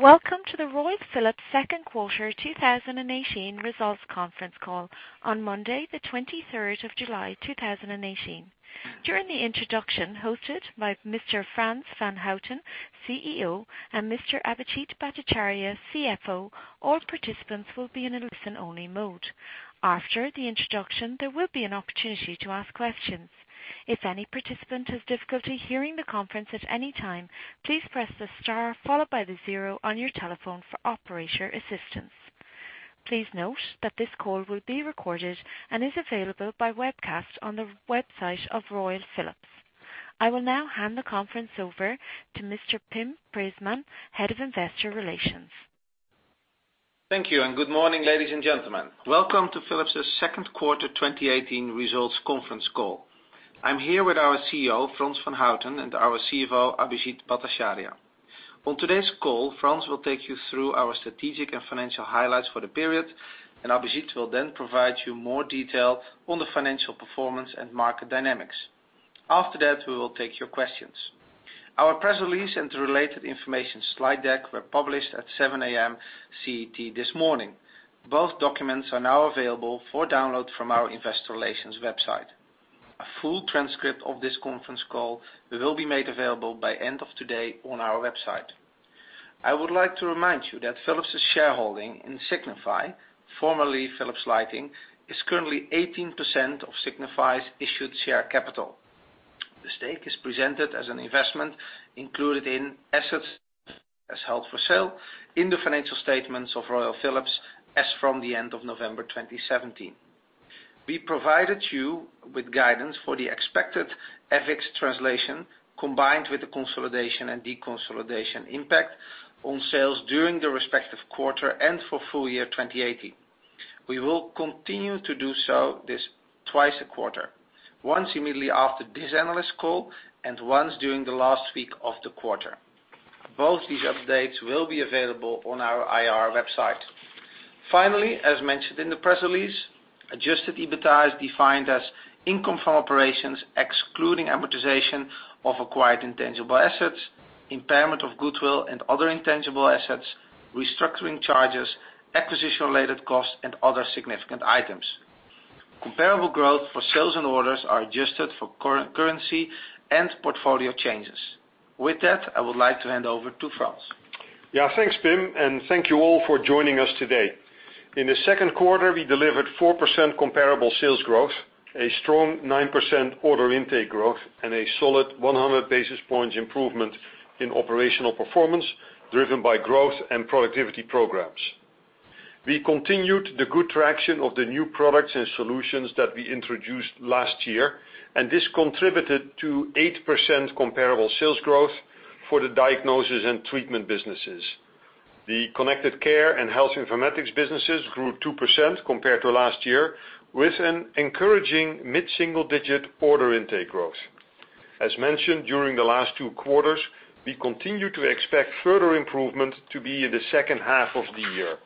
Welcome to the Royal Philips second quarter 2018 results conference call on Monday the 23rd of July, 2018. During the introduction hosted by Mr. Frans van Houten, CEO, and Mr. Abhijit Bhattacharya, CFO, all participants will be in a listen-only mode. After the introduction, there will be an opportunity to ask questions. If any participant has difficulty hearing the conference at any time, please press the star followed by the zero on your telephone for operator assistance. Please note that this call will be recorded and is available by webcast on the website of Royal Philips. I will now hand the conference over to Mr. Pim Preesman, Head of Investor Relations. Thank you. Good morning, ladies and gentlemen. Welcome to Philips' second quarter 2018 results conference call. I am here with our CEO, Frans van Houten, and our CFO, Abhijit Bhattacharya. On today's call, Frans will take you through our strategic and financial highlights for the period. Abhijit will then provide you more detail on the financial performance and market dynamics. After that, we will take your questions. Our press release and the related information slide deck were published at 7:00 A.M. CET this morning. Both documents are now available for download from our investor relations website. A full transcript of this conference call will be made available by end of today on our website. I would like to remind you that Philips' shareholding in Signify, formerly Philips Lighting, is currently 18% of Signify's issued share capital. The stake is presented as an investment included in assets as held for sale in the financial statements of Royal Philips as from the end of November 2017. We provided you with guidance for the expected FX translation, combined with the consolidation and deconsolidation impact on sales during the respective quarter and for full year 2018. We will continue to do so this twice a quarter, once immediately after this analyst call and once during the last week of the quarter. Both these updates will be available on our IR website. Finally, as mentioned in the press release, Adjusted EBITA is defined as income from operations, excluding amortization of acquired intangible assets, impairment of goodwill and other intangible assets, restructuring charges, acquisition related costs, and other significant items. Comparable growth for sales and orders are adjusted for currency and portfolio changes. With that, I would like to hand over to Frans. Thanks, Pim, and thank you all for joining us today. In the second quarter, we delivered 4% comparable sales growth, a strong 9% order intake growth, and a solid 100 basis points improvement in operational performance, driven by growth and productivity programs. We continued the good traction of the new products and solutions that we introduced last year. This contributed to 8% comparable sales growth for the Diagnosis & Treatment businesses. The Connected Care & Health Informatics businesses grew 2% compared to last year, with an encouraging mid-single-digit order intake growth. As mentioned during the last two quarters, we continue to expect further improvement to be in the second half of the year.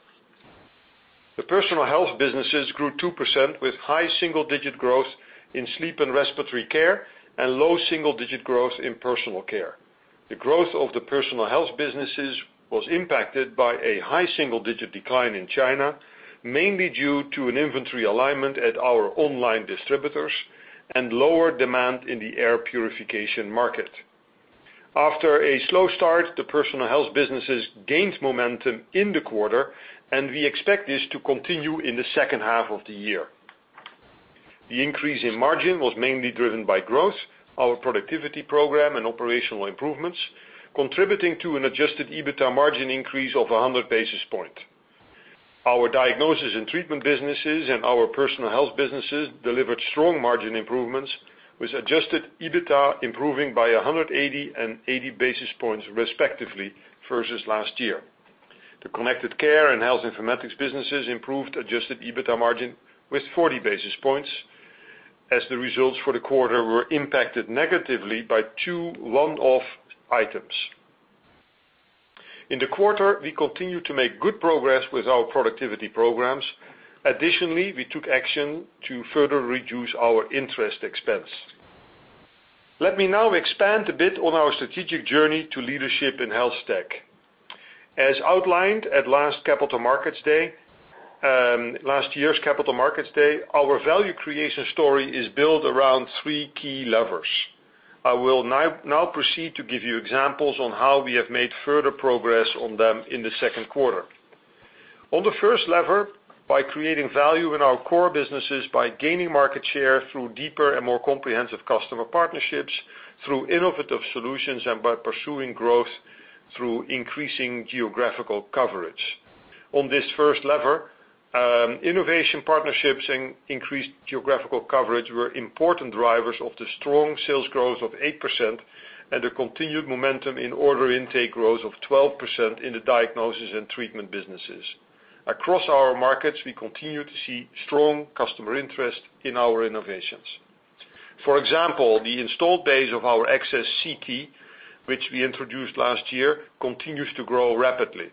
The Personal Health businesses grew 2% with high single-digit growth in sleep and respiratory care and low single-digit growth in personal care. The growth of the Personal Health businesses was impacted by a high single-digit decline in China, mainly due to an inventory alignment at our online distributors and lower demand in the air purification market. After a slow start, the Personal Health businesses gained momentum in the quarter. We expect this to continue in the second half of the year. The increase in margin was mainly driven by growth, our productivity program, and operational improvements, contributing to an Adjusted EBITA margin increase of 100 basis points. Our Diagnosis & Treatment businesses and our Personal Health businesses delivered strong margin improvements, with Adjusted EBITA improving by 180 and 80 basis points respectively versus last year. The Connected Care & Health Informatics businesses improved Adjusted EBITA margin with 40 basis points as the results for the quarter were impacted negatively by two one-off items. In the quarter, we continued to make good progress with our productivity programs. Additionally, we took action to further reduce our interest expense. Let me now expand a bit on our strategic journey to leadership in health tech. As outlined at last year's Capital Markets Day, our value creation story is built around three key levers. I will now proceed to give you examples on how we have made further progress on them in the second quarter. On the first lever, by creating value in our core businesses by gaining market share through deeper and more comprehensive customer partnerships, through innovative solutions, and by pursuing growth through increasing geographical coverage. On this first lever, innovation partnerships and increased geographical coverage were important drivers of the strong sales growth of 8% and a continued momentum in order intake growth of 12% in the Diagnosis & Treatment businesses. Across our markets, we continue to see strong customer interest in our innovations. For example, the installed base of our Access CT, which we introduced last year, continues to grow rapidly.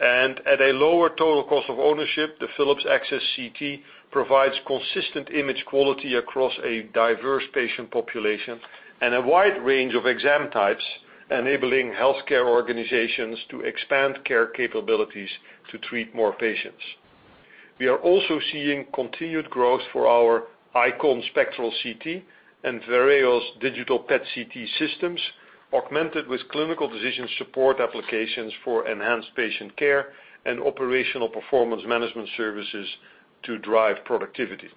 At a lower total cost of ownership, the Philips Access CT provides consistent image quality across a diverse patient population and a wide range of exam types, enabling healthcare organizations to expand care capabilities to treat more patients. We are also seeing continued growth for our IQon Spectral CT and Vereos digital PET/CT systems, augmented with clinical decision support applications for enhanced patient care and operational performance management services to drive productivity.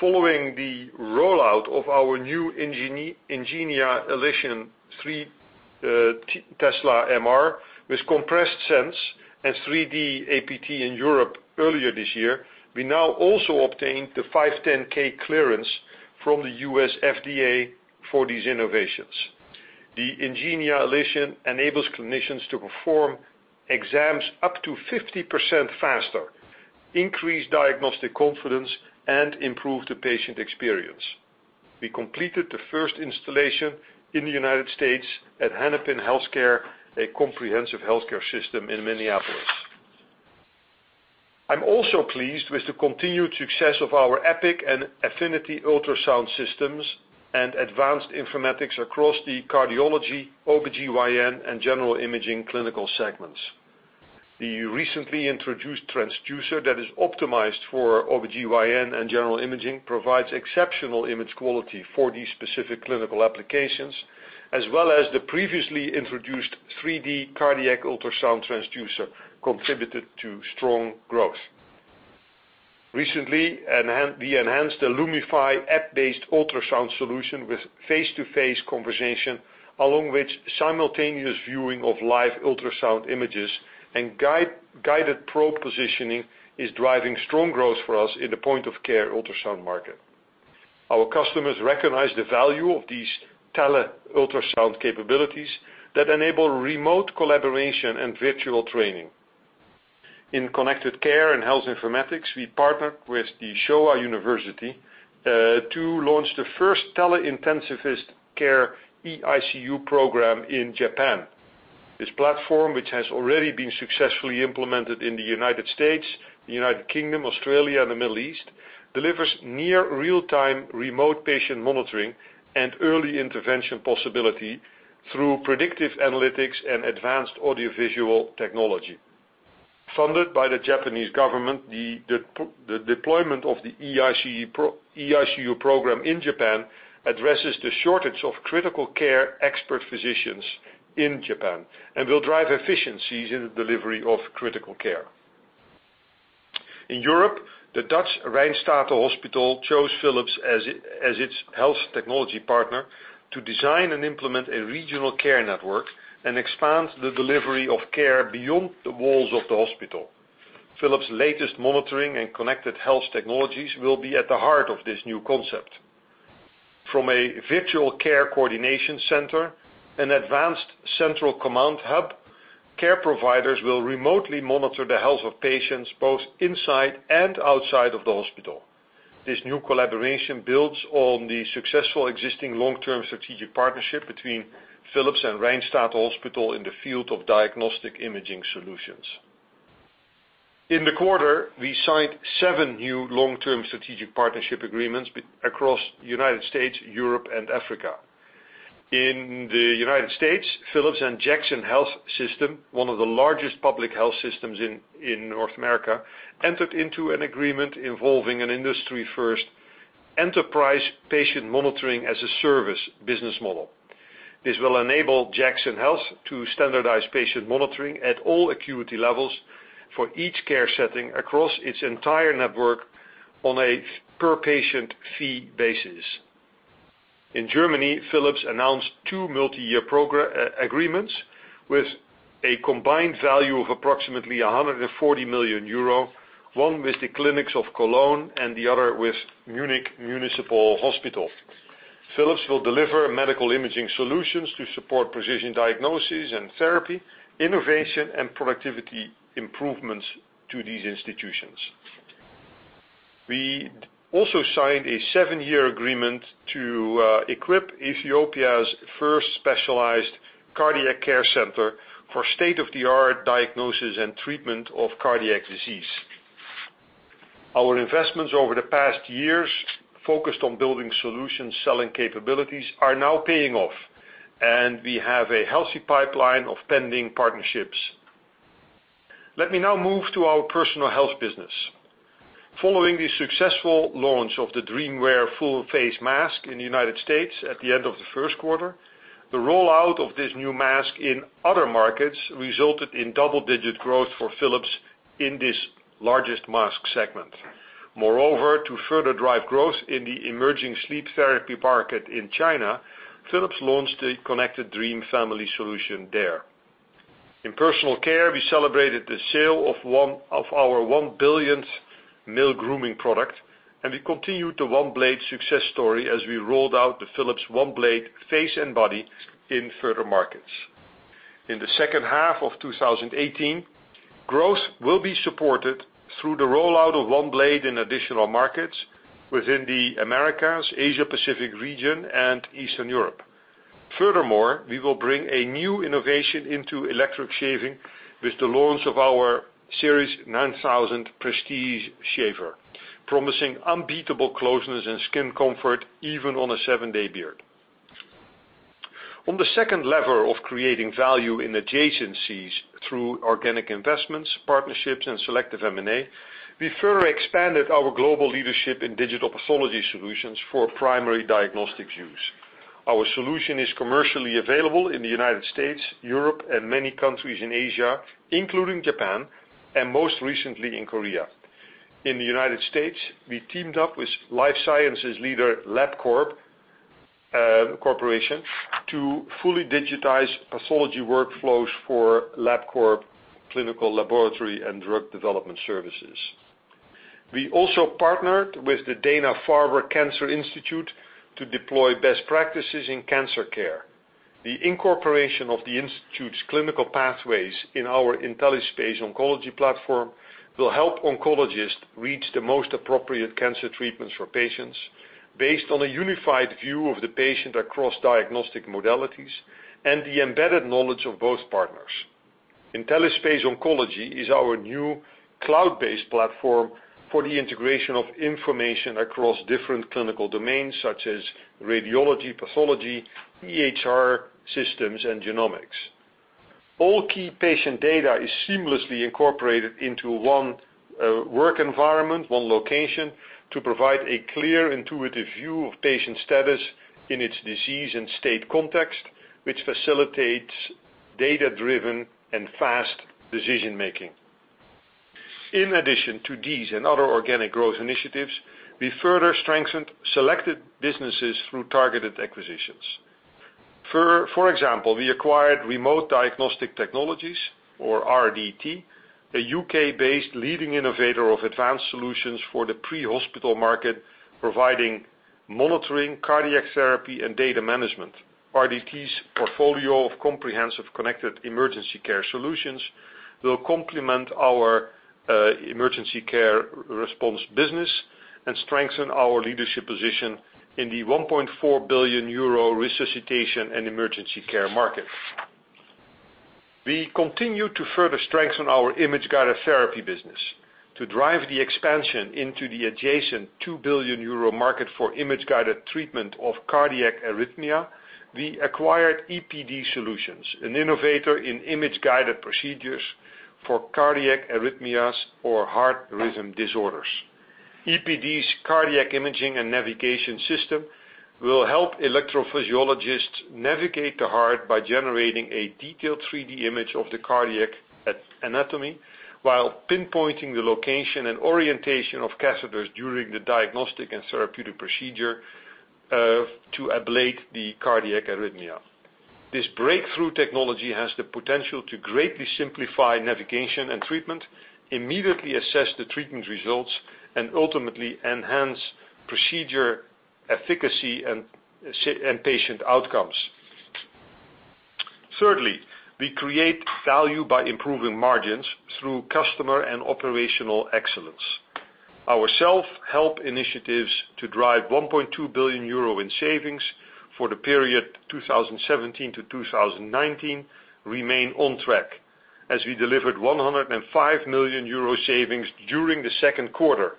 Following the rollout of our new Ingenia Elition 3 Tesla MR with Compressed SENSE and 3D APT in Europe earlier this year, we now also obtained the 510(k) clearance from the U.S. FDA for these innovations. The Ingenia Elition enables clinicians to perform exams up to 50% faster, increase diagnostic confidence, and improve the patient experience. We completed the 1st installation in the U.S. at Hennepin Healthcare, a comprehensive healthcare system in Minneapolis. I'm also pleased with the continued success of our EPIQ and Affiniti ultrasound systems and advanced informatics across the cardiology, OBGYN, and general imaging clinical segments. The recently introduced transducer that is optimized for OBGYN and general imaging provides exceptional image quality for these specific clinical applications, as well as the previously introduced 3D cardiac ultrasound transducer contributed to strong growth. Recently, we enhanced the Lumify app-based ultrasound solution with face-to-face conversation, along with simultaneous viewing of live ultrasound images and guided probe positioning is driving strong growth for us in the point-of-care ultrasound market. Our customers recognize the value of these tele-ultrasound capabilities that enable remote collaboration and virtual training. In connected care and health informatics, we partnered with the Showa University, to launch the 1st tele-intensivist care eICU program in Japan. This platform, which has already been successfully implemented in the U.S., the U.K., Australia, and the Middle East, delivers near real-time remote patient monitoring and early intervention possibility through predictive analytics and advanced audiovisual technology. Funded by the Japanese government, the deployment of the eICU program in Japan addresses the shortage of critical care expert physicians in Japan and will drive efficiencies in the delivery of critical care. In Europe, the Dutch Rijnstate Hospital chose Philips as its health technology partner to design and implement a regional care network and expand the delivery of care beyond the walls of the hospital. Philips' latest monitoring and connected health technologies will be at the heart of this new concept. From a virtual care coordination center and advanced central command hub, care providers will remotely monitor the health of patients both inside and outside of the hospital. This new collaboration builds on the successful existing long-term strategic partnership between Philips and Rijnstate Hospital in the field of diagnostic imaging solutions. In the quarter, we signed 7 new long-term strategic partnership agreements across the U.S., Europe, and Africa. In the U.S., Philips and Jackson Health System, one of the largest public health systems in North America, entered into an agreement involving an industry-1st enterprise patient monitoring-as-a-service business model. This will enable Jackson Health to standardize patient monitoring at all acuity levels for each care setting across its entire network on a per-patient fee basis. In Germany, Philips announced 2 multiyear agreements with a combined value of approximately 140 million euro, one with the clinics of Cologne and the other with Munich Municipal Hospital. Philips will deliver medical imaging solutions to support precision diagnoses and therapy, innovation, and productivity improvements to these institutions. We also signed a 7-year agreement to equip Ethiopia's 1st specialized cardiac care center for state-of-the-art diagnosis and treatment of cardiac disease. Our investments over the past years focused on building solutions, selling capabilities, are now paying off, and we have a healthy pipeline of pending partnerships. Let me now move to our Personal Health business. Following the successful launch of the DreamWear full face mask in the U.S. at the end of the 1st quarter, the rollout of this new mask in other markets resulted in double-digit growth for Philips in this largest mask segment. Moreover, to further drive growth in the emerging sleep therapy market in China, Philips launched a connected Dream Family solution there. In personal care, we celebrated the sale of our one-billionth male grooming product, and we continued the OneBlade success story as we rolled out the Philips OneBlade Face and Body in further markets. In the second half of 2018, growth will be supported through the rollout of OneBlade in additional markets within the Americas, Asia Pacific region, and Eastern Europe. Furthermore, we will bring a new innovation into electric shaving with the launch of our Series 9000 Prestige shaver, promising unbeatable closeness and skin comfort even on a seven-day beard. On the second lever of creating value in adjacencies through organic investments, partnerships, and selective M&A, we further expanded our global leadership in digital pathology solutions for primary diagnostic use. Our solution is commercially available in the United States, Europe, and many countries in Asia, including Japan, and most recently in Korea. In the United States, we teamed up with life sciences leader LabCorp Corporation to fully digitize pathology workflows for LabCorp clinical laboratory and drug development services. We also partnered with the Dana-Farber Cancer Institute to deploy best practices in cancer care. The incorporation of the institute's clinical pathways in our IntelliSpace Oncology platform will help oncologists reach the most appropriate cancer treatments for patients based on a unified view of the patient across diagnostic modalities and the embedded knowledge of both partners. IntelliSpace Oncology is our new cloud-based platform for the integration of information across different clinical domains such as radiology, pathology, EHR systems, and genomics. All key patient data is seamlessly incorporated into one work environment, one location, to provide a clear, intuitive view of patient status in its disease and state context, which facilitates data-driven and fast decision-making. In addition to these and other organic growth initiatives, we further strengthened selected businesses through targeted acquisitions. For example, we acquired Remote Diagnostic Technologies, or RDT, a U.K.-based leading innovator of advanced solutions for the pre-hospital market, providing monitoring, cardiac therapy, and data management. RDT's portfolio of comprehensive connected emergency care solutions will complement our emergency care response business and strengthen our leadership position in the 1.4 billion euro resuscitation and emergency care market. We continue to further strengthen our image-guided therapy business. To drive the expansion into the adjacent 2 billion euro market for image-guided treatment of cardiac arrhythmia, we acquired EPD Solutions, an innovator in image-guided procedures for cardiac arrhythmias or heart rhythm disorders. EPD's cardiac imaging and navigation system will help electrophysiologists navigate the heart by generating a detailed 3D image of the cardiac anatomy, while pinpointing the location and orientation of catheters during the diagnostic and therapeutic procedure to ablate the cardiac arrhythmia. This breakthrough technology has the potential to greatly simplify navigation and treatment, immediately assess the treatment results, and ultimately enhance procedure efficacy and patient outcomes. Thirdly, we create value by improving margins through customer and operational excellence. Our self-help initiatives to drive 1.2 billion euro in savings for the period 2017 to 2019 remain on track, as we delivered 105 million euro savings during the second quarter.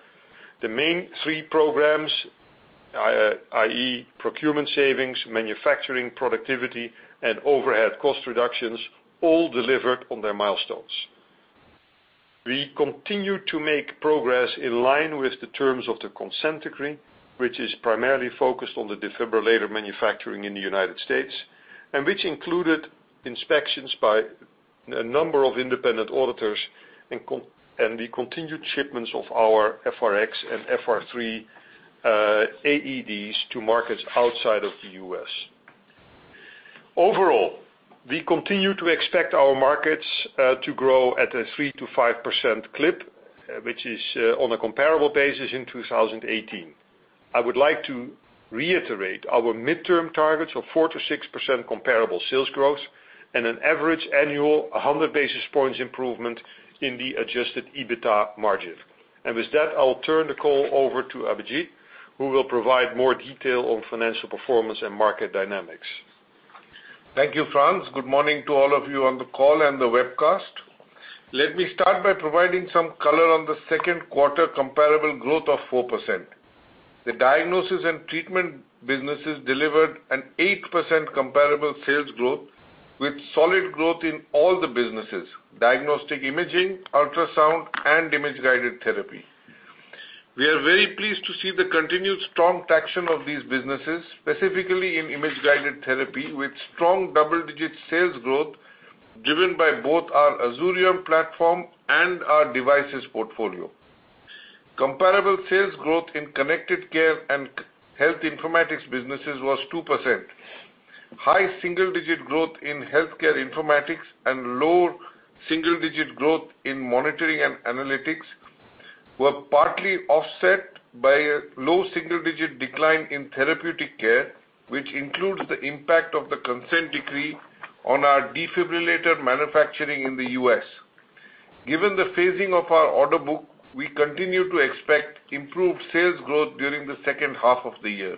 The main three programs, i.e. procurement savings, manufacturing, productivity, and overhead cost reductions, all delivered on their milestones. We continue to make progress in line with the terms of the consent decree, which is primarily focused on the defibrillator manufacturing in the U.S., and which included inspections by a number of independent auditors and the continued shipments of our FRx and FR3 AEDs to markets outside of the U.S. Overall, we continue to expect our markets to grow at a 3%-5% clip, which is on a comparable basis in 2018. I would like to reiterate our midterm targets of 4%-6% comparable sales growth and an average annual 100 basis points improvement in the Adjusted EBITA margin. With that, I'll turn the call over to Abhijit, who will provide more detail on financial performance and market dynamics. Thank you, Frans. Good morning to all of you on the call and the webcast. Let me start by providing some color on the second quarter comparable growth of 4%. The Diagnosis & Treatment businesses delivered an 8% comparable sales growth with solid growth in all the businesses, Diagnostic Imaging, ultrasound, and Image-Guided Therapy. We are very pleased to see the continued strong traction of these businesses, specifically in Image-Guided Therapy, with strong double-digit sales growth given by both our Azurion platform and our devices portfolio. Comparable sales growth in Connected Care & Health Informatics businesses was 2%. High single-digit growth in healthcare informatics and low single-digit growth in monitoring and analytics were partly offset by a low single-digit decline in therapeutic care, which includes the impact of the consent decree on our defibrillator manufacturing in the U.S. Given the phasing of our order book, we continue to expect improved sales growth during the second half of the year.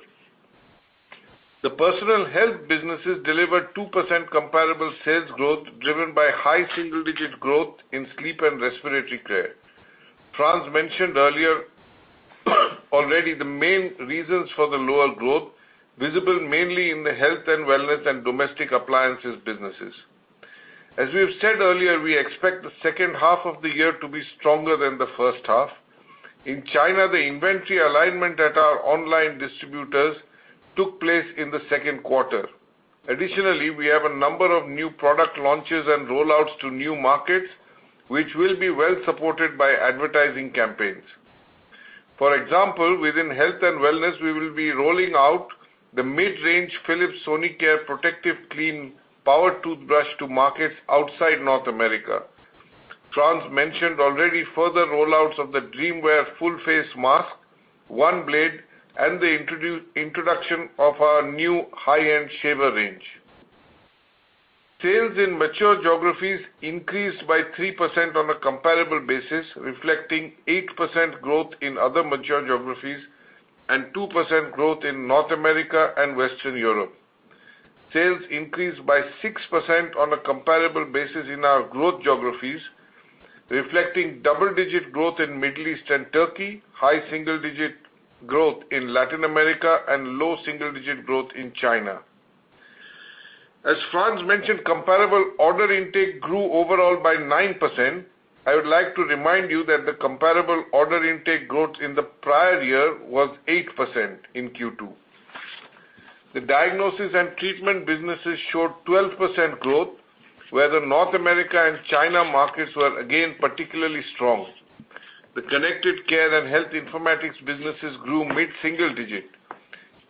The Personal Health businesses delivered 2% comparable sales growth, driven by high single-digit growth in sleep and respiratory care. Frans mentioned earlier already the main reasons for the lower growth, visible mainly in the Health & Wellness and domestic appliances businesses. As we have said earlier, we expect the second half of the year to be stronger than the first half. In China, the inventory alignment at our online distributors took place in the second quarter. Additionally, we have a number of new product launches and rollouts to new markets, which will be well supported by advertising campaigns. For example, within Health & Wellness, we will be rolling out the mid-range Philips Sonicare ProtectiveClean power toothbrush to markets outside North America. Frans mentioned already further rollouts of the DreamWear full face mask, OneBlade, and the introduction of our new high-end shaver range. Sales in mature geographies increased by 3% on a comparable basis, reflecting 8% growth in other mature geographies and 2% growth in North America and Western Europe. Sales increased by 6% on a comparable basis in our growth geographies, reflecting double-digit growth in Middle East and Turkey, high single-digit growth in Latin America, and low single-digit growth in China. As Frans mentioned, comparable order intake grew overall by 9%. I would like to remind you that the comparable order intake growth in the prior year was 8% in Q2. The diagnosis and treatment businesses showed 12% growth, where the North America and China markets were again particularly strong. The connected care and health informatics businesses grew mid-single digit.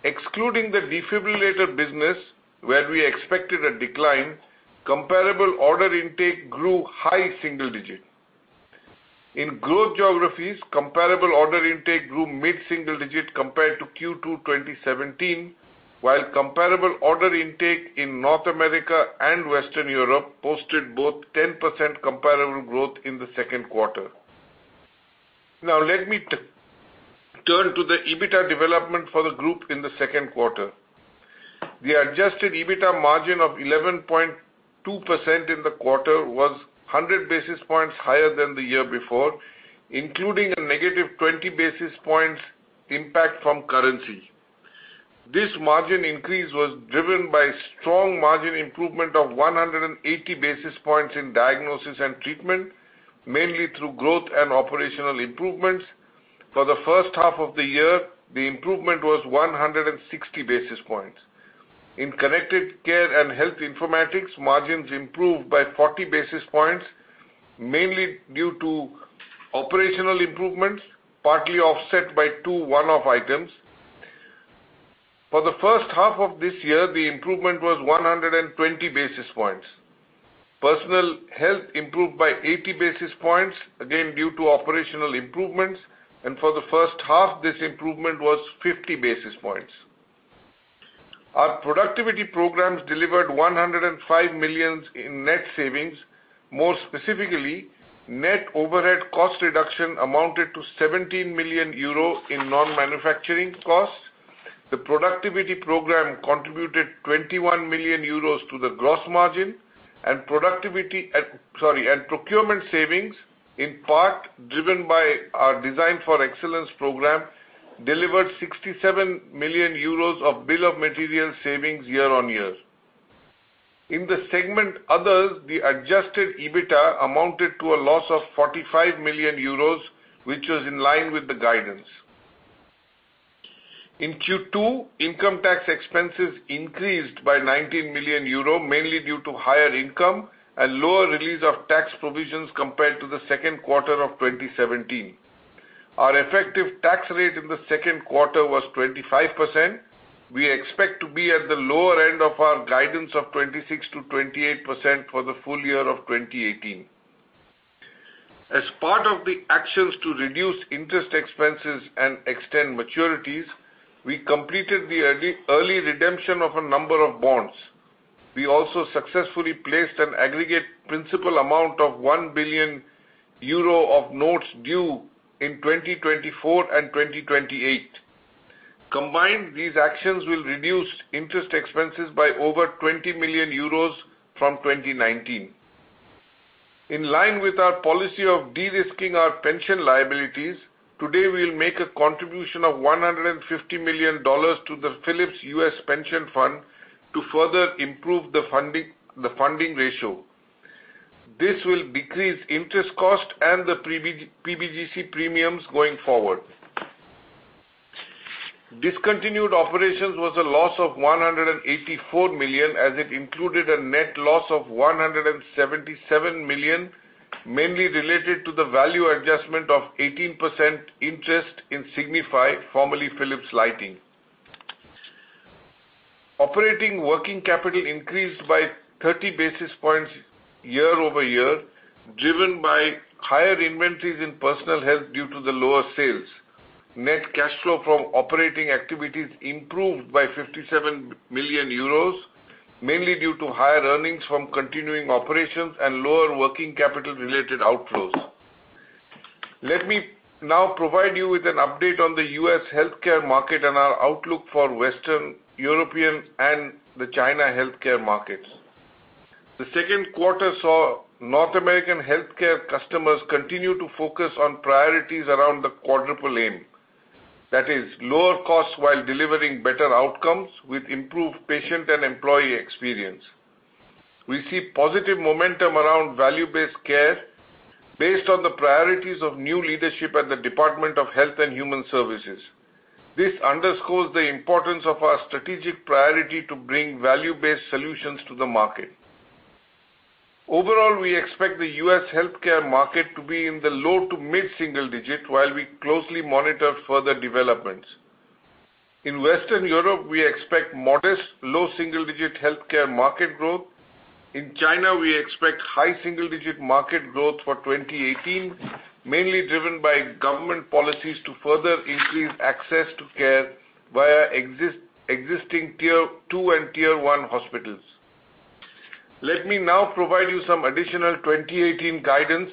Excluding the defibrillator business, where we expected a decline, comparable order intake grew high single-digit. In growth geographies, comparable order intake grew mid-single-digit compared to Q2 2017, while comparable order intake in North America and Western Europe posted both 10% comparable growth in the second quarter. Let me turn to the EBITA development for the group in the second quarter. The Adjusted EBITA margin of 11.2% in the quarter was 100 basis points higher than the year before, including a negative 20 basis points impact from currency. This margin increase was driven by strong margin improvement of 180 basis points in Diagnosis & Treatment, mainly through growth and operational improvements. For the first half of the year, the improvement was 160 basis points. In Connected Care & Health Informatics, margins improved by 40 basis points, mainly due to operational improvements, partly offset by two one-off items. For the first half of this year, the improvement was 120 basis points. Personal Health improved by 80 basis points, again due to operational improvements, and for the first half, this improvement was 50 basis points. Our productivity programs delivered 105 million in net savings. More specifically, net overhead cost reduction amounted to 17 million euro in non-manufacturing costs. The productivity program contributed 21 million euros to the gross margin. Procurement savings, in part driven by our Design for Excellence program, delivered 67 million euros of bill of materials savings year-on-year. In the segment Others, the Adjusted EBITA amounted to a loss of 45 million euros, which was in line with the guidance. In Q2, income tax expenses increased by 19 million euro, mainly due to higher income and lower release of tax provisions compared to the second quarter of 2017. Our effective tax rate in the second quarter was 25%. We expect to be at the lower end of our guidance of 26%-28% for the full year of 2018. As part of the actions to reduce interest expenses and extend maturities, we completed the early redemption of a number of bonds. We also successfully placed an aggregate principal amount of 1 billion euro of notes due in 2024 and 2028. Combined, these actions will reduce interest expenses by over 20 million euros from 2019. In line with our policy of de-risking our pension liabilities, today we will make a contribution of $150 million to the Philips North America Pension Plan to further improve the funding ratio. This will decrease interest cost and the PBGC premiums going forward. Discontinued operations was a loss of 184 million, as it included a net loss of 177 million, mainly related to the value adjustment of 18% interest in Signify, formerly Philips Lighting. Operating working capital increased by 30 basis points year-on-year, driven by higher inventories in Personal Health due to the lower sales. Net cash flow from operating activities improved by 57 million euros, mainly due to higher earnings from continuing operations and lower working capital related outflows. Let me now provide you with an update on the U.S. healthcare market and our outlook for Western European and the China healthcare markets. The second quarter saw North American healthcare customers continue to focus on priorities around the Quadruple Aim. That is lower costs while delivering better outcomes with improved patient and employee experience. We see positive momentum around value-based care based on the priorities of new leadership at the U.S. Department of Health and Human Services. This underscores the importance of our strategic priority to bring value-based solutions to the market. Overall, we expect the U.S. healthcare market to be in the low to mid single-digit while we closely monitor further developments. In Western Europe, we expect modest low single-digit healthcare market growth. In China, we expect high single-digit market growth for 2018, mainly driven by government policies to further increase access to care via existing tier 2 and tier 1 hospitals. Let me now provide you some additional 2018 guidance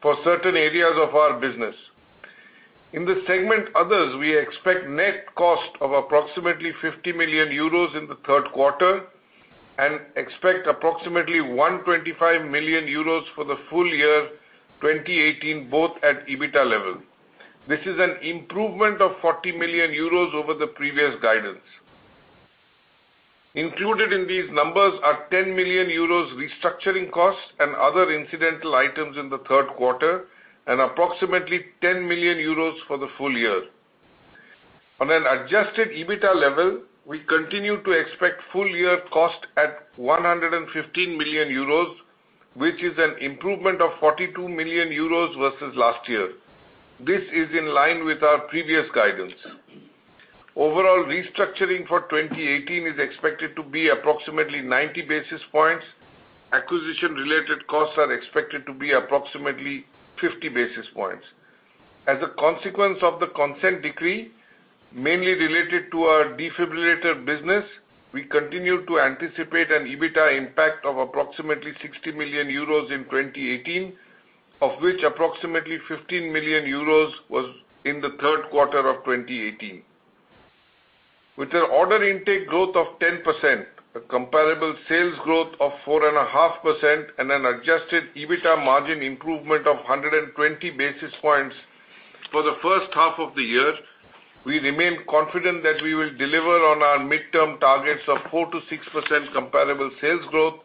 for certain areas of our business. In the segment others, we expect net cost of approximately 50 million euros in the third quarter and expect approximately 125 million euros for the full year 2018, both at EBITA level. This is an improvement of 40 million euros over the previous guidance. Included in these numbers are 10 million euros restructuring costs and other incidental items in the third quarter, and approximately 10 million euros for the full year. On an Adjusted EBITA level, we continue to expect full year cost at 115 million euros, which is an improvement of 42 million euros versus last year. This is in line with our previous guidance. Overall, restructuring for 2018 is expected to be approximately 90 basis points. Acquisition related costs are expected to be approximately 50 basis points. As a consequence of the consent decree, mainly related to our defibrillator business, we continue to anticipate an EBITA impact of approximately 60 million euros in 2018, of which approximately 15 million euros was in the third quarter of 2018. With an order intake growth of 10%, a comparable sales growth of 4.5%, and an Adjusted EBITA margin improvement of 120 basis points for the first half of the year, we remain confident that we will deliver on our midterm targets of 4%-6% comparable sales growth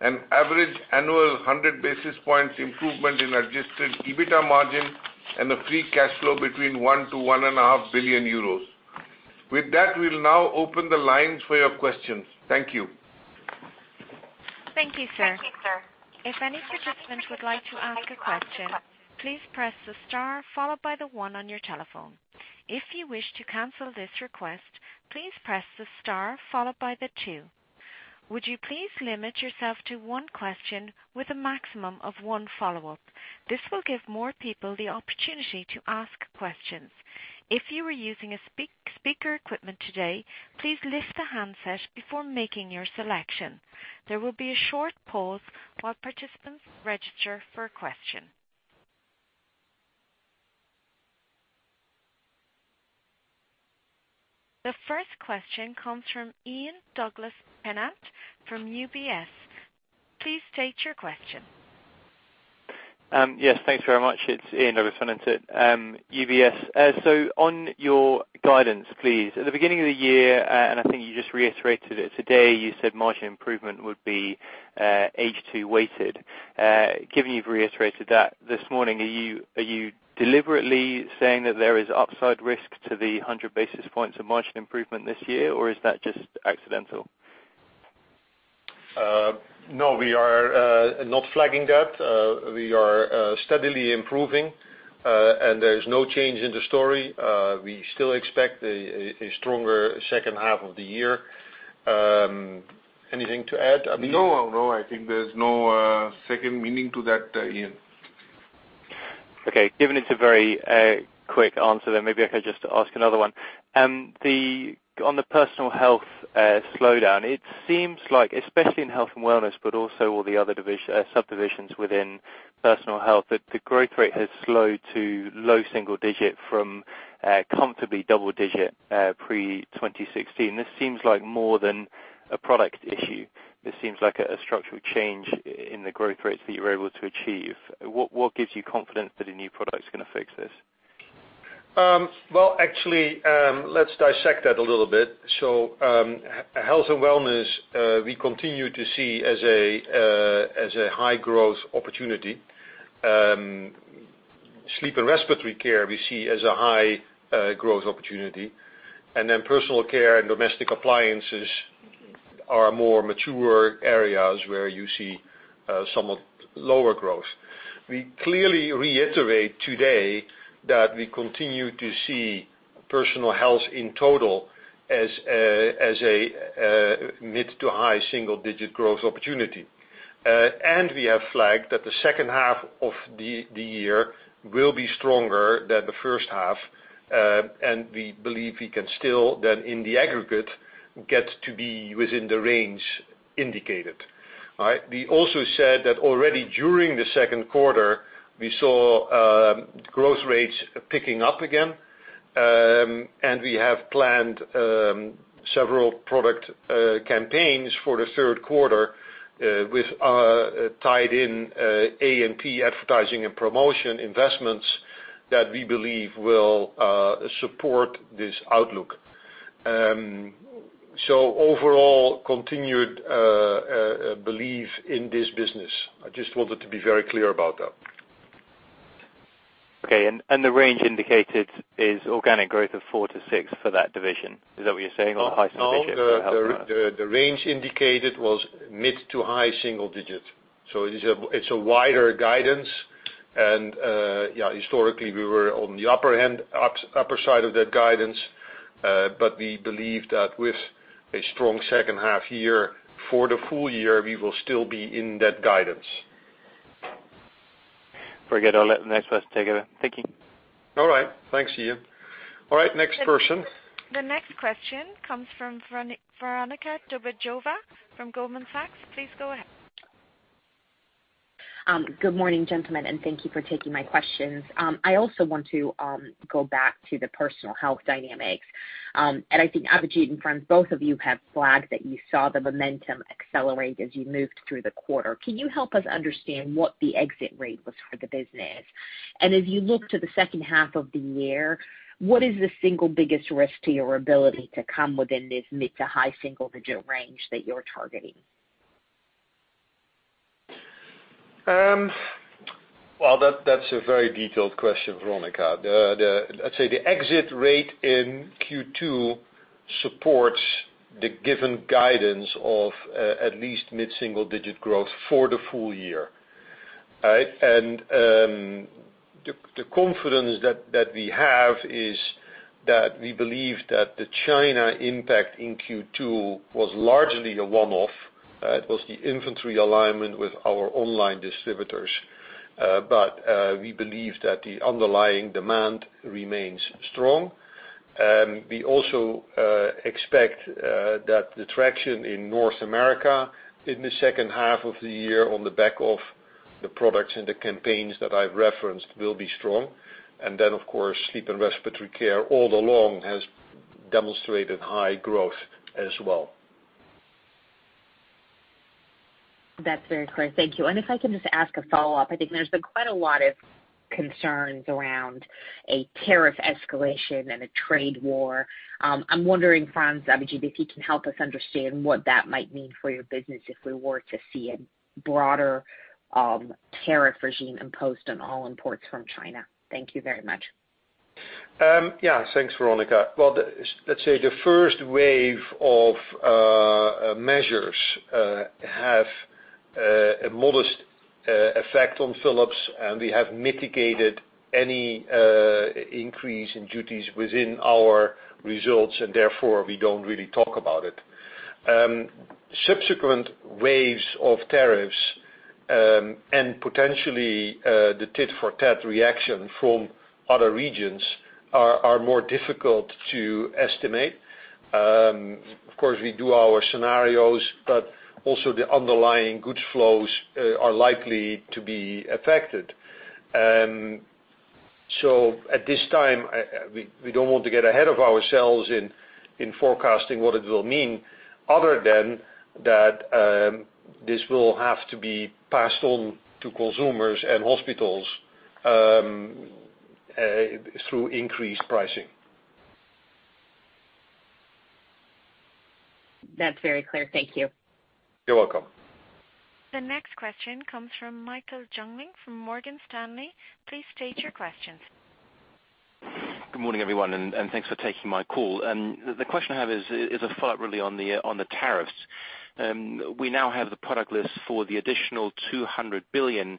and average annual 100 basis points improvement in Adjusted EBITA margin and a free cash flow between 1 billion euros to 1.5 billion euros. With that, we will now open the lines for your questions. Thank you. Thank you, sir. If any participant would like to ask a question, please press the star followed by the one on your your telephone. If you wish to cancel this request, please press the star followed by the two. Would you please limit yourself to one question with a maximum of one follow-up? This will give more people the opportunity to ask questions. If you are using a speaker equipment today, please lift the handset before making your selection. There will be a short pause while participants register for a question. The first question comes from Ian Douglas-Pennant from UBS. Please state your question. Yes, thanks very much. It's Ian Douglas-Pennant at UBS. On your guidance, please. At the beginning of the year, and I think you just reiterated it today, you said margin improvement would be H2 weighted. Given you've reiterated that this morning, are you deliberately saying that there is upside risk to the 100 basis points of margin improvement this year, or is that just accidental? No, we are not flagging that. We are steadily improving. There is no change in the story. We still expect a stronger second half of the year. Anything to add, Adhijit? No. I think there's no second meaning to that, Ian. Okay. Given it's a very quick answer, maybe I could just ask another one. On the Personal Health slowdown, it seems like, especially in health and wellness, but also all the other subdivisions within Personal Health, that the growth rate has slowed to low single digit from comfortably double digit pre-2016. This seems like more than a product issue. This seems like a structural change in the growth rates that you were able to achieve. What gives you confidence that a new product is going to fix this? Well, actually, let's dissect that a little bit. Health and wellness, we continue to see as a high growth opportunity. Sleep and respiratory care we see as a high growth opportunity, and then personal care and domestic appliances are more mature areas where you see somewhat lower growth. We clearly reiterate today that we continue to see Personal Health in total as a mid to high single-digit growth opportunity. We have flagged that the second half of the year will be stronger than the first half, and we believe we can still, then in the aggregate, get to be within the range indicated. All right? We also said that already during the second quarter, we saw growth rates picking up again. We have planned several product campaigns for the third quarter with tied in A&P advertising and promotion investments that we believe will support this outlook. Overall, continued belief in this business. I just wanted to be very clear about that. Okay. The range indicated is organic growth of four to six for that division. Is that what you're saying on the high single digit or health? No. The range indicated was mid to high single digit. It's a wider guidance. Yeah, historically, we were on the upper side of that guidance. We believe that with a strong second half year, for the full year, we will still be in that guidance. Very good. I'll let the next person take over. Thank you. All right. Thanks, Ian. All right, next person. The next question comes from Veronika Dubajova from Goldman Sachs. Please go ahead. Good morning, gentlemen, and thank you for taking my questions. I also want to go back to the Personal Health dynamics. I think, Abhijit and Frans, both of you have flagged that you saw the momentum accelerate as you moved through the quarter. Can you help us understand what the exit rate was for the business? As you look to the second half of the year, what is the single biggest risk to your ability to come within this mid to high single-digit range that you're targeting? Well, that's a very detailed question, Veronika. I'd say the exit rate in Q2 supports the given guidance of at least mid-single-digit growth for the full year. Right. The confidence that we have is that we believe that the China impact in Q2 was largely a one-off. It was the inventory alignment with our online distributors. We believe that the underlying demand remains strong. We also expect that the traction in North America in the second half of the year on the back of the products and the campaigns that I've referenced will be strong. Of course, sleep and respiratory care all along has demonstrated high growth as well. That's very clear. Thank you. If I can just ask a follow-up. I think there's been quite a lot of concerns around a tariff escalation and a trade war. I'm wondering, Frans, Abhijit, if you can help us understand what that might mean for your business if we were to see a broader tariff regime imposed on all imports from China. Thank you very much. Thanks, Veronika. Let's say the first wave of measures have a modest effect on Philips. We have mitigated any increase in duties within our results. We don't really talk about it. Subsequent waves of tariffs, the tit for tat reaction from other regions are more difficult to estimate. We do our scenarios. The underlying goods flows are likely to be affected. At this time, we don't want to get ahead of ourselves in forecasting what it will mean other than that this will have to be passed on to consumers and hospitals through increased pricing. That's very clear. Thank you. You're welcome. The next question comes from Michael Jüngling from Morgan Stanley. Please state your questions. Good morning, everyone, thanks for taking my call. The question I have is a follow-up really on the tariffs. We now have the product list for the additional 200 billion,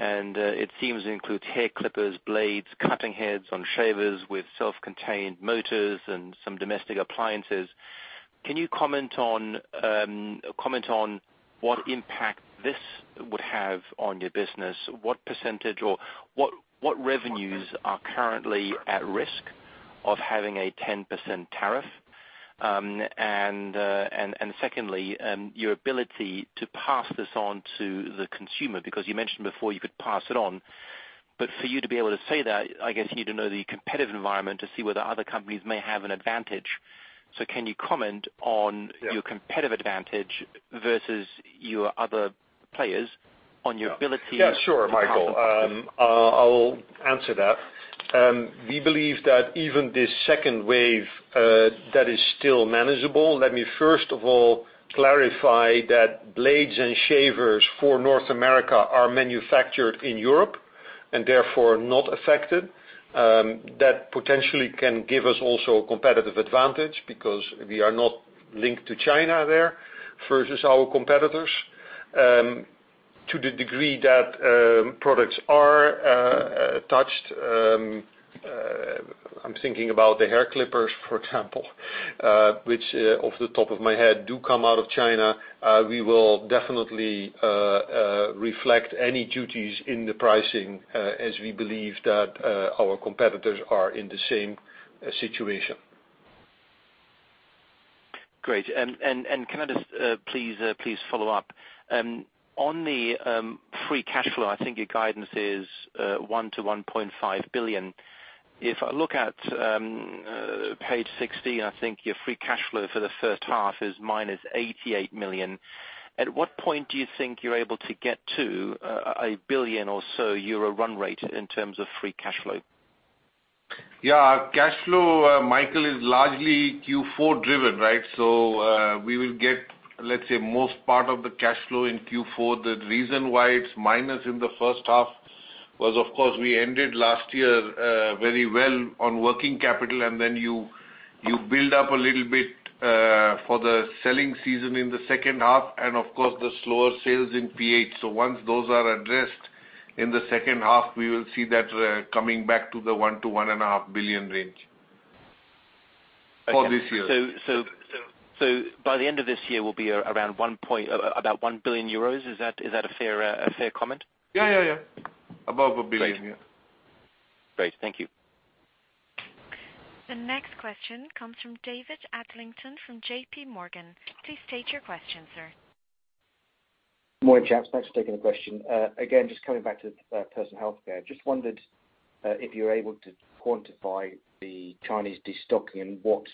it seems it includes hair clippers, blades, cutting heads on shavers with self-contained motors and some domestic appliances. Can you comment on what impact this would have on your business? What percentage or what revenues are currently at risk of having a 10% tariff? Secondly, your ability to pass this on to the consumer, because you mentioned before you could pass it on. For you to be able to say that, I guess you need to know the competitive environment to see whether other companies may have an advantage. Can you comment on. Yeah Your competitive advantage versus your other players on your ability. Yeah. Sure, Michael. I will answer that. We believe that even this second wave, that is still manageable. Let me first of all clarify that blades and shavers for North America are manufactured in Europe, and therefore not affected. That potentially can give us also a competitive advantage because we are not linked to China there versus our competitors. To the degree that products are touched, I am thinking about the hair clippers, for example, which off the top of my head, do come out of China. We will definitely reflect any duties in the pricing, as we believe that our competitors are in the same situation. Great. Can I just please follow up? On the free cash flow, I think your guidance is 1 billion-1.5 billion. If I look at page 16, I think your free cash flow for the first half is -88 million. At what point do you think you are able to get to 1 billion or so euro run rate in terms of free cash flow? Yeah. Cash flow, Michael, is largely Q4 driven, right? We will get, let's say, most part of the cash flow in Q4. The reason why it is minus in the first half was, of course, we ended last year very well on working capital, and then you build up a little bit for the selling season in the second half and, of course, the slower sales in PH. Once those are addressed in the second half, we will see that coming back to the 1 billion-1.5 billion range for this year. By the end of this year, we will be around 1 billion euros. Is that a fair comment? Yeah. Above 1 billion, yeah. Great. Thank you. The next question comes from David Adlington from J.P. Morgan. Please state your question, sir. Morning, chaps. Thanks for taking the question. Again, just coming back to Personal Health care. Just wondered if you are able to quantify the Chinese destocking and what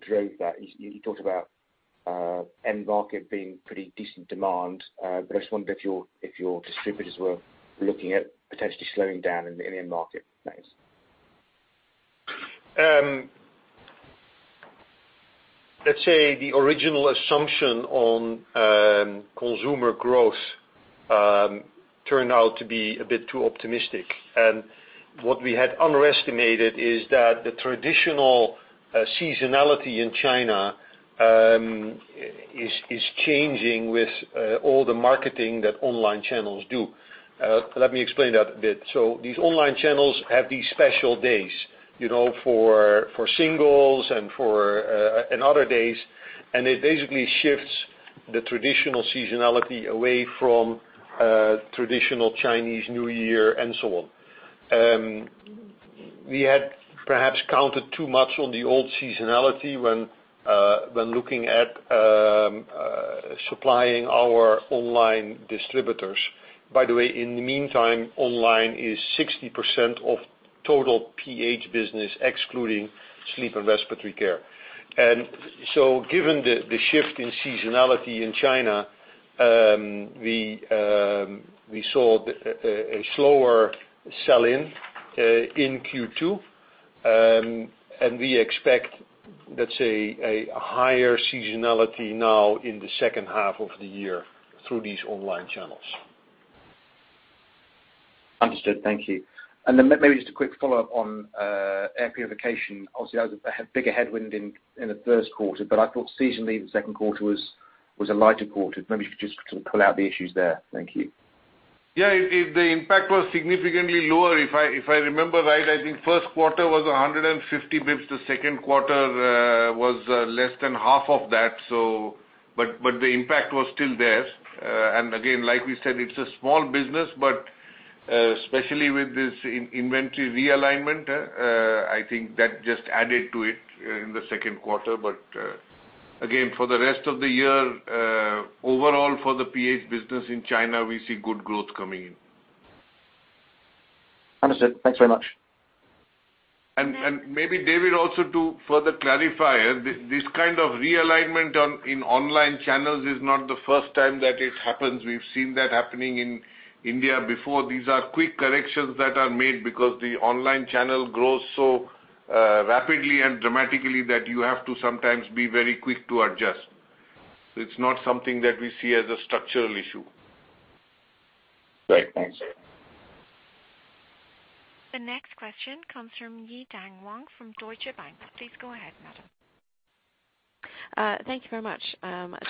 drove that. You talked about end market being pretty decent demand, but I just wondered if your distributors were looking at potentially slowing down in the end market. Thanks. Let's say the original assumption on consumer growth turned out to be a bit too optimistic. What we had underestimated is that the traditional seasonality in China is changing with all the marketing that online channels do. Let me explain that a bit. These online channels have these special days, for singles and other days, and it basically shifts the traditional seasonality away from traditional Chinese New Year and so on. We had perhaps counted too much on the old seasonality when looking at supplying our online distributors. By the way, in the meantime, online is 60% of total PH business, excluding sleep and respiratory care. Given the shift in seasonality in China, we saw a slower sell-in, in Q2. We expect, let's say, a higher seasonality now in the second half of the year through these online channels. Understood. Thank you. Maybe just a quick follow-up on air purification. Obviously, that was a bigger headwind in the first quarter, but I thought seasonally, the second quarter was a lighter quarter. Maybe if you could just pull out the issues there. Thank you. Yeah. The impact was significantly lower. If I remember right, I think the first quarter was 150 basis points. The second quarter was less than half of that. The impact was still there. Again, like we said, it's a small business, but especially with this inventory realignment, I think that just added to it in the second quarter. Again, for the rest of the year, overall for the PH business in China, we see good growth coming in. Understood. Thanks very much. Maybe, David, also to further clarify, this kind of realignment in online channels is not the first time that it happens. We've seen that happening in India before. These are quick corrections that are made because the online channel grows so rapidly and dramatically that you have to sometimes be very quick to adjust. It's not something that we see as a structural issue. Great. Thanks. The next question comes from Yi-Dan Wang from Deutsche Bank. Please go ahead, madam. Thank you very much.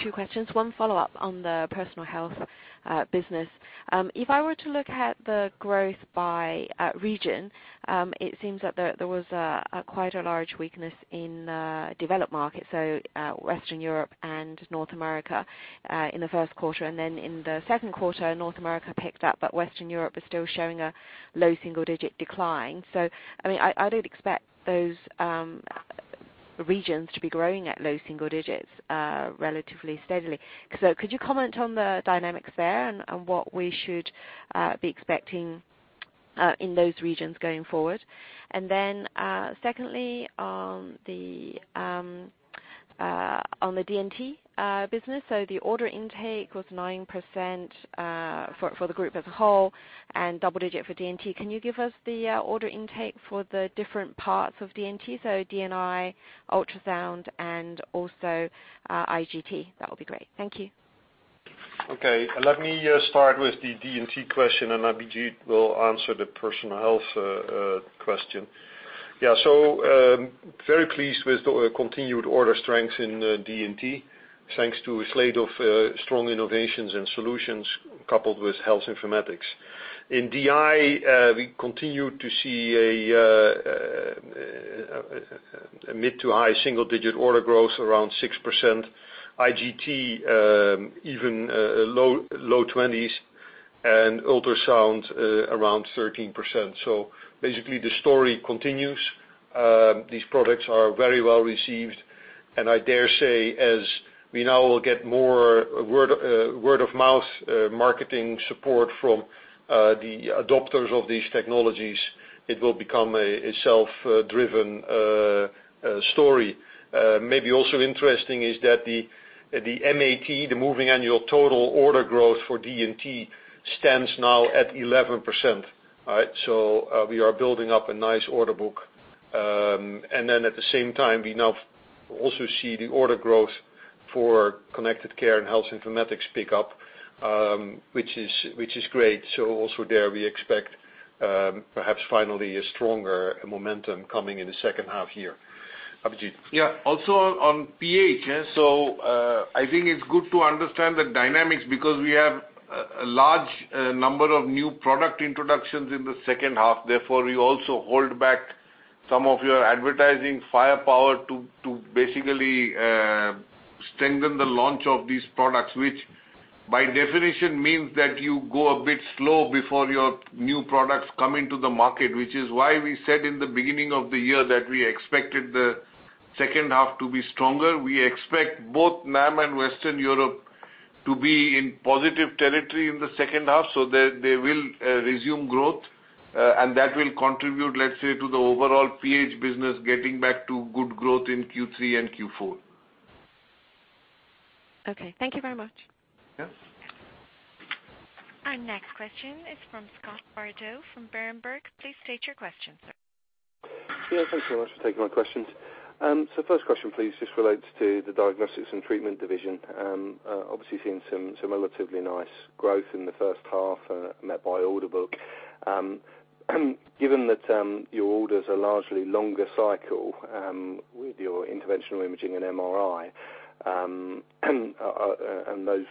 Two questions, one follow-up on the Personal Health business. If I were to look at the growth by region, it seems that there was quite a large weakness in developed markets, so Western Europe and North America, in the first quarter. In the second quarter, North America picked up, but Western Europe was still showing a low single-digit decline. I did expect those regions to be growing at low single digits, relatively steadily. Could you comment on the dynamics there and what we should be expecting in those regions going forward? Secondly, on the D&T business. The order intake was 9% for the group as a whole and double digit for D&T. Can you give us the order intake for the different parts of D&T? DI, ultrasound, and also IGT. That would be great. Thank you. Okay. Let me start with the D&T question, and Abhijit will answer the Personal Health question. Very pleased with the continued order strength in D&T, thanks to a slate of strong innovations and solutions coupled with health informatics. In DI, we continue to see a mid to high single-digit order growth around 6%. IGT, even low 20s, and ultrasound around 13%. Basically, the story continues. These products are very well received, and I dare say as we now will get more word-of-mouth marketing support from the adopters of these technologies, it will become a self-driven story. Maybe also interesting is that the MAT, the moving annual total order growth for D&T, stands now at 11%. All right. We are building up a nice order book. At the same time, we now also see the order growth for Connected Care and health informatics pick up, which is great. Also there, we expect perhaps finally a stronger momentum coming in the second half year. Abhijit. Also, on PH. I think it's good to understand the dynamics because we have a large number of new product introductions in the second half, therefore you also hold back some of your advertising firepower to basically strengthen the launch of these products, which by definition means that you go a bit slow before your new products come into the market, which is why we said in the beginning of the year that we expected the second half to be stronger. We expect both NAM and Western Europe to be in positive territory in the second half so that they will resume growth, and that will contribute, let's say, to the overall PH business getting back to good growth in Q3 and Q4. Okay. Thank you very much. Yeah. Our next question is from Scott Bardo from Berenberg. Please state your question, sir. Yeah. Thank you so much for taking my questions. First question, please, this relates to the Diagnostics and Treatment division. Obviously, seeing some relatively nice growth in the first half met by order book. Given that your orders are largely longer cycle with your interventional imaging and MRI, and those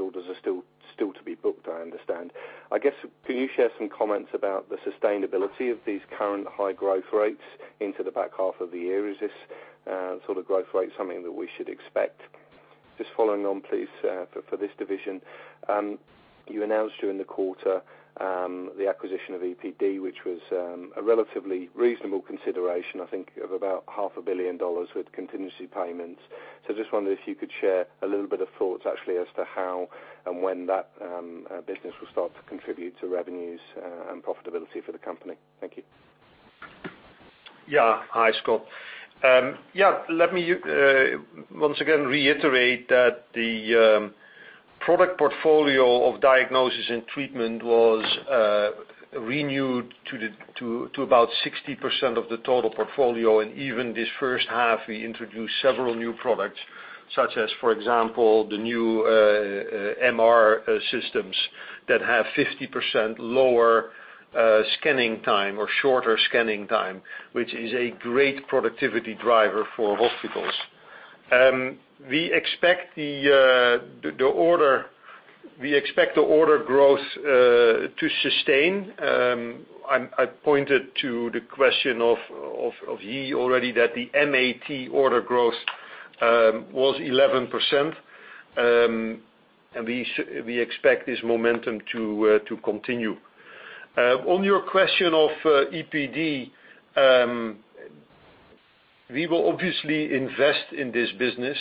orders are still to be booked, I understand. I guess, can you share some comments about the sustainability of these current high growth rates into the back half of the year? Is this sort of growth rate something that we should expect? Just following on, please, for this division. You announced during the quarter, the acquisition of EPD, which was a relatively reasonable consideration, I think, of about half a billion dollars with contingency payments. Just wondered if you could share a little bit of thoughts actually as to how and when that business will start to contribute to revenues and profitability for the company. Thank you. Yeah. Hi, Scott. Let me once again reiterate that the product portfolio of Diagnostics and Treatment was renewed to about 60% of the total portfolio, and even this first half, we introduced several new products, such as, for example, the new MR systems that have 50% lower scanning time or shorter scanning time, which is a great productivity driver for hospitals. We expect the order growth to sustain. I pointed to the question of Yi already that the MAT order growth was 11%, and we expect this momentum to continue. On your question of EPD, we will obviously invest in this business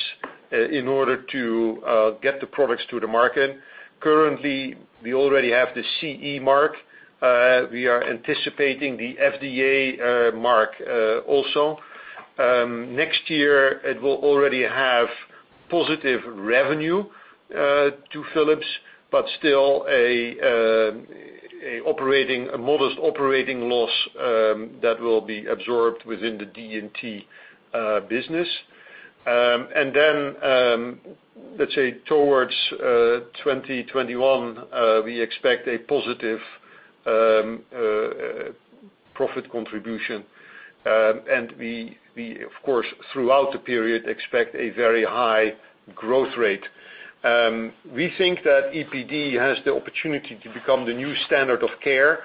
in order to get the products to the market. Currently, we already have the CE mark. We are anticipating the FDA clearance also. Next year, it will already have positive revenue to Philips, but still a modest operating loss that will be absorbed within the D&T business. towards 2021, we expect a positive profit contribution. We, of course, throughout the period, expect a very high growth rate. We think that EPD has the opportunity to become the new standard of care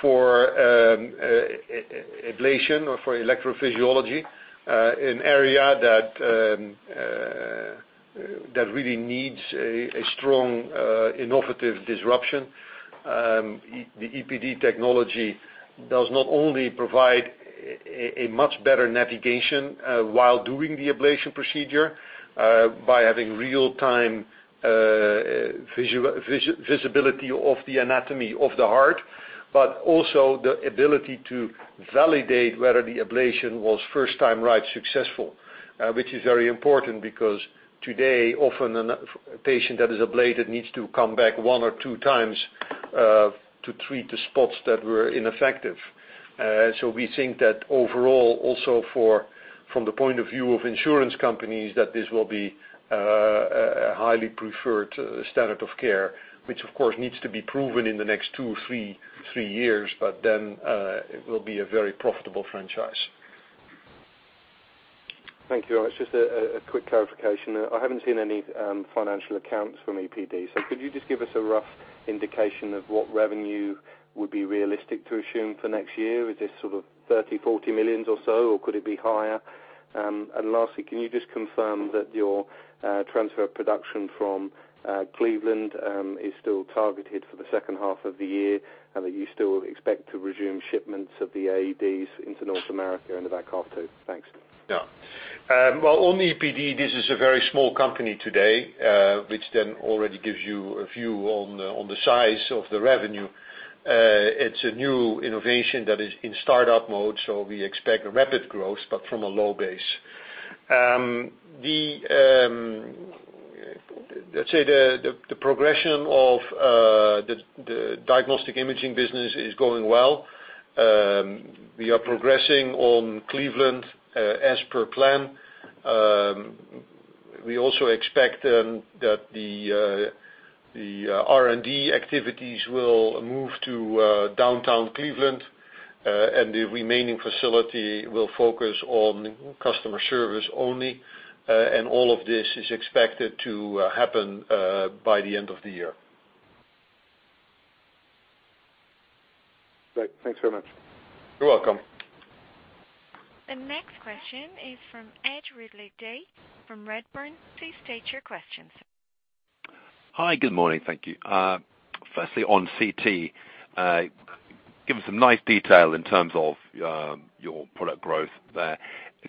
for ablation or for electrophysiology, an area that really needs a strong, innovative disruption. The EPD technology does not only provide a much better navigation while doing the ablation procedure by having real-time visibility of the anatomy of the heart, but also the ability to validate whether the ablation was first time right successful, which is very important because today, often a patient that is ablated needs to come back one or two times to treat the spots that were ineffective. We think that overall, also from the point of view of insurance companies, that this will be a highly preferred standard of care, which, of course, needs to be proven in the next two or three years. It will be a very profitable franchise. Thank you very much. Just a quick clarification. I haven't seen any financial accounts from EPD. Could you just give us a rough indication of what revenue would be realistic to assume for next year? Is this sort of 30 million-40 million or so, or could it be higher? Lastly, can you just confirm that your transfer of production from Cleveland is still targeted for the second half of the year, and that you still expect to resume shipments of the AEDs into North America in the back half, too? Thanks. Yeah. Well, on EPD, this is a very small company today, which already gives you a view on the size of the revenue. It's a new innovation that is in startup mode, we expect rapid growth, but from a low base. Let's say the progression of the diagnostic imaging business is going well. We are progressing on Cleveland, as per plan. We also expect that the R&D activities will move to downtown Cleveland, and the remaining facility will focus on customer service only. All of this is expected to happen by the end of the year. Great. Thanks very much. You're welcome. The next question is from Ed Ridley-Day from Redburn. Please state your questions. Hi. Good morning. Thank you. Firstly, on CT, given some nice detail in terms of your product growth there.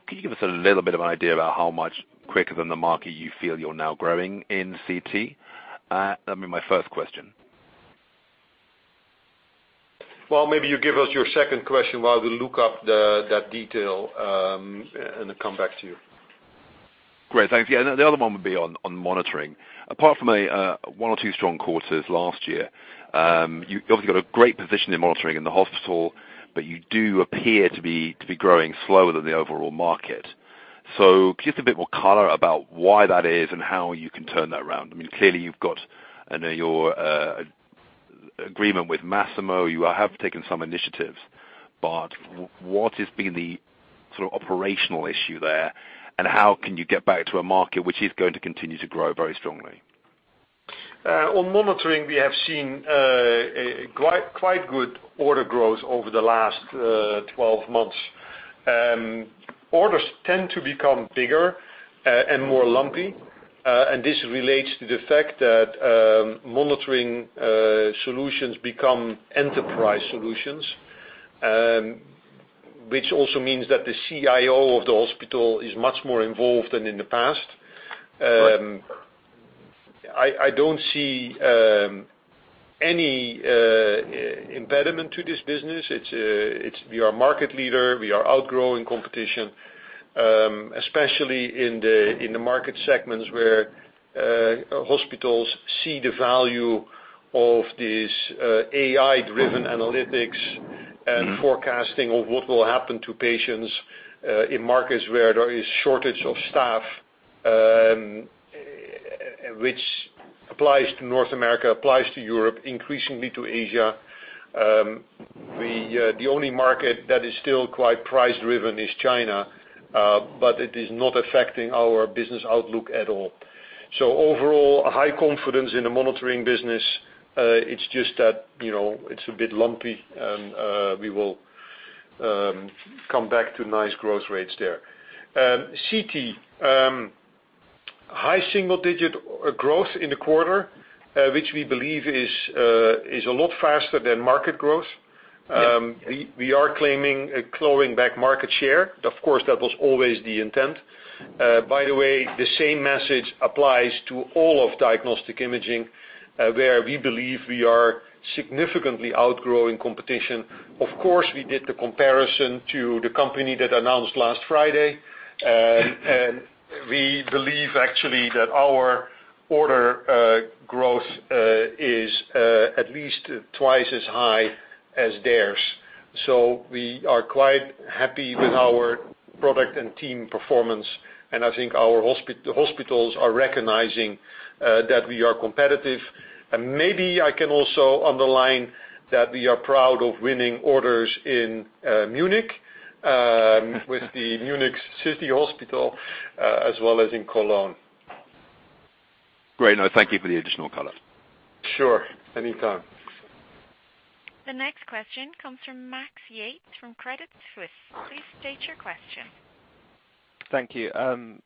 Could you give us a little bit of an idea about how much quicker than the market you feel you're now growing in CT? That'd be my first question. Well, maybe you give us your second question while we look up that detail and then come back to you. Great. Thanks. Yeah, the other one would be on monitoring. Apart from one or two strong quarters last year, you obviously got a great position in monitoring in the hospital, but you do appear to be growing slower than the overall market. Just a bit more color about why that is and how you can turn that around. Clearly, you've got your agreement with Masimo. You have taken some initiatives. What has been the sort of operational issue there, and how can you get back to a market which is going to continue to grow very strongly? On monitoring, we have seen quite good order growth over the last 12 months. Orders tend to become bigger and more lumpy. This relates to the fact that monitoring solutions become enterprise solutions, which also means that the CIO of the hospital is much more involved than in the past. Right. I don't see any impediment to this business. We are market leader. We are outgrowing competition, especially in the market segments where hospitals see the value of these AI-driven analytics and forecasting of what will happen to patients in markets where there is shortage of staff, which applies to North America, applies to Europe, increasingly to Asia. The only market that is still quite price-driven is China, but it is not affecting our business outlook at all. Overall, high confidence in the monitoring business. It's just that it's a bit lumpy, and we will come back to nice growth rates there. CT. High single-digit growth in the quarter, which we believe is a lot faster than market growth. Yes. We are claiming a clawing back market share. Of course, that was always the intent. The same message applies to all of Diagnostic Imaging, where we believe we are significantly outgrowing competition. Of course, we did the comparison to the company that announced last Friday. We believe, actually, that our order growth is at least twice as high as theirs. We are quite happy with our product and team performance. I think the hospitals are recognizing that we are competitive. Maybe I can also underline that we are proud of winning orders in Munich, with the Munich Municipal Hospital Group, as well as in Cologne. Great. Thank you for the additional color. Sure. Anytime. The next question comes from Max Yates from Credit Suisse. Please state your question. Thank you.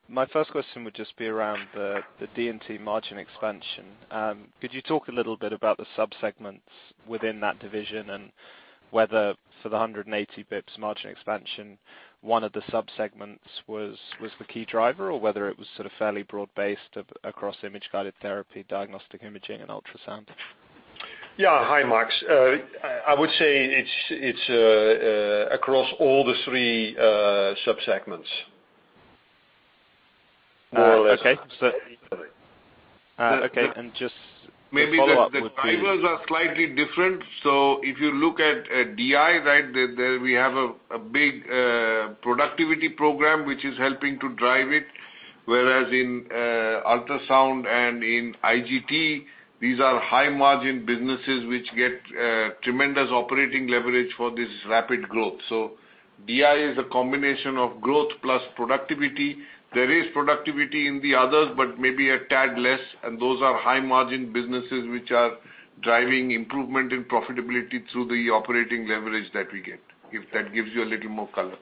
My first question would just be around the D&T margin expansion. Could you talk a little bit about the subsegments within that division and whether, for the 180 basis points margin expansion, one of the subsegments was the key driver, or whether it was sort of fairly broad-based across Image-Guided Therapy, Diagnostic Imaging, and Ultrasound? Yeah. Hi, Max. I would say it's across all the three subsegments. Okay. Just maybe a follow-up would be- Maybe the drivers are slightly different. If you look at DI, there we have a big productivity program which is helping to drive it. Whereas in Ultrasound and in IGT, these are high margin businesses which get tremendous operating leverage for this rapid growth. DI is a combination of growth plus productivity. There is productivity in the others, but maybe a tad less, those are high margin businesses which are driving improvement in profitability through the operating leverage that we get. If that gives you a little more color.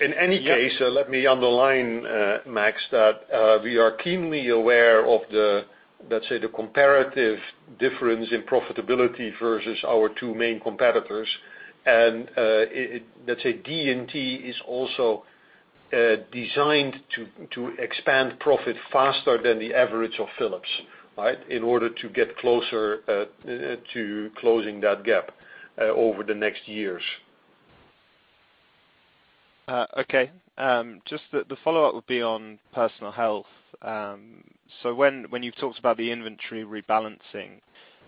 Let me underline, Max, that we are keenly aware of the, let's say, the comparative difference in profitability versus our two main competitors. Let's say D&T is also designed to expand profit faster than the average of Philips. In order to get closer to closing that gap over the next years. Okay. Just the follow-up would be on Personal Health. When you've talked about the inventory rebalancing,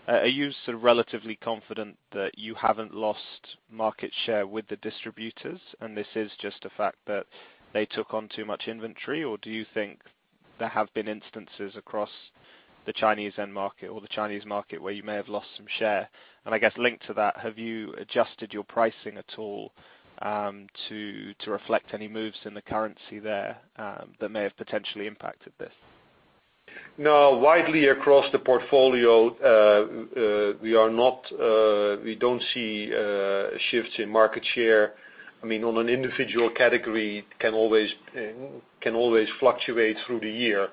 are you sort of relatively confident that you haven't lost market share with the distributors, this is just a fact that they took on too much inventory, or do you think there have been instances across the Chinese end market or the Chinese market where you may have lost some share? I guess linked to that, have you adjusted your pricing at all to reflect any moves in the currency there that may have potentially impacted this? No. Widely across the portfolio, we don't see shifts in market share. On an individual category, it can always fluctuate through the year,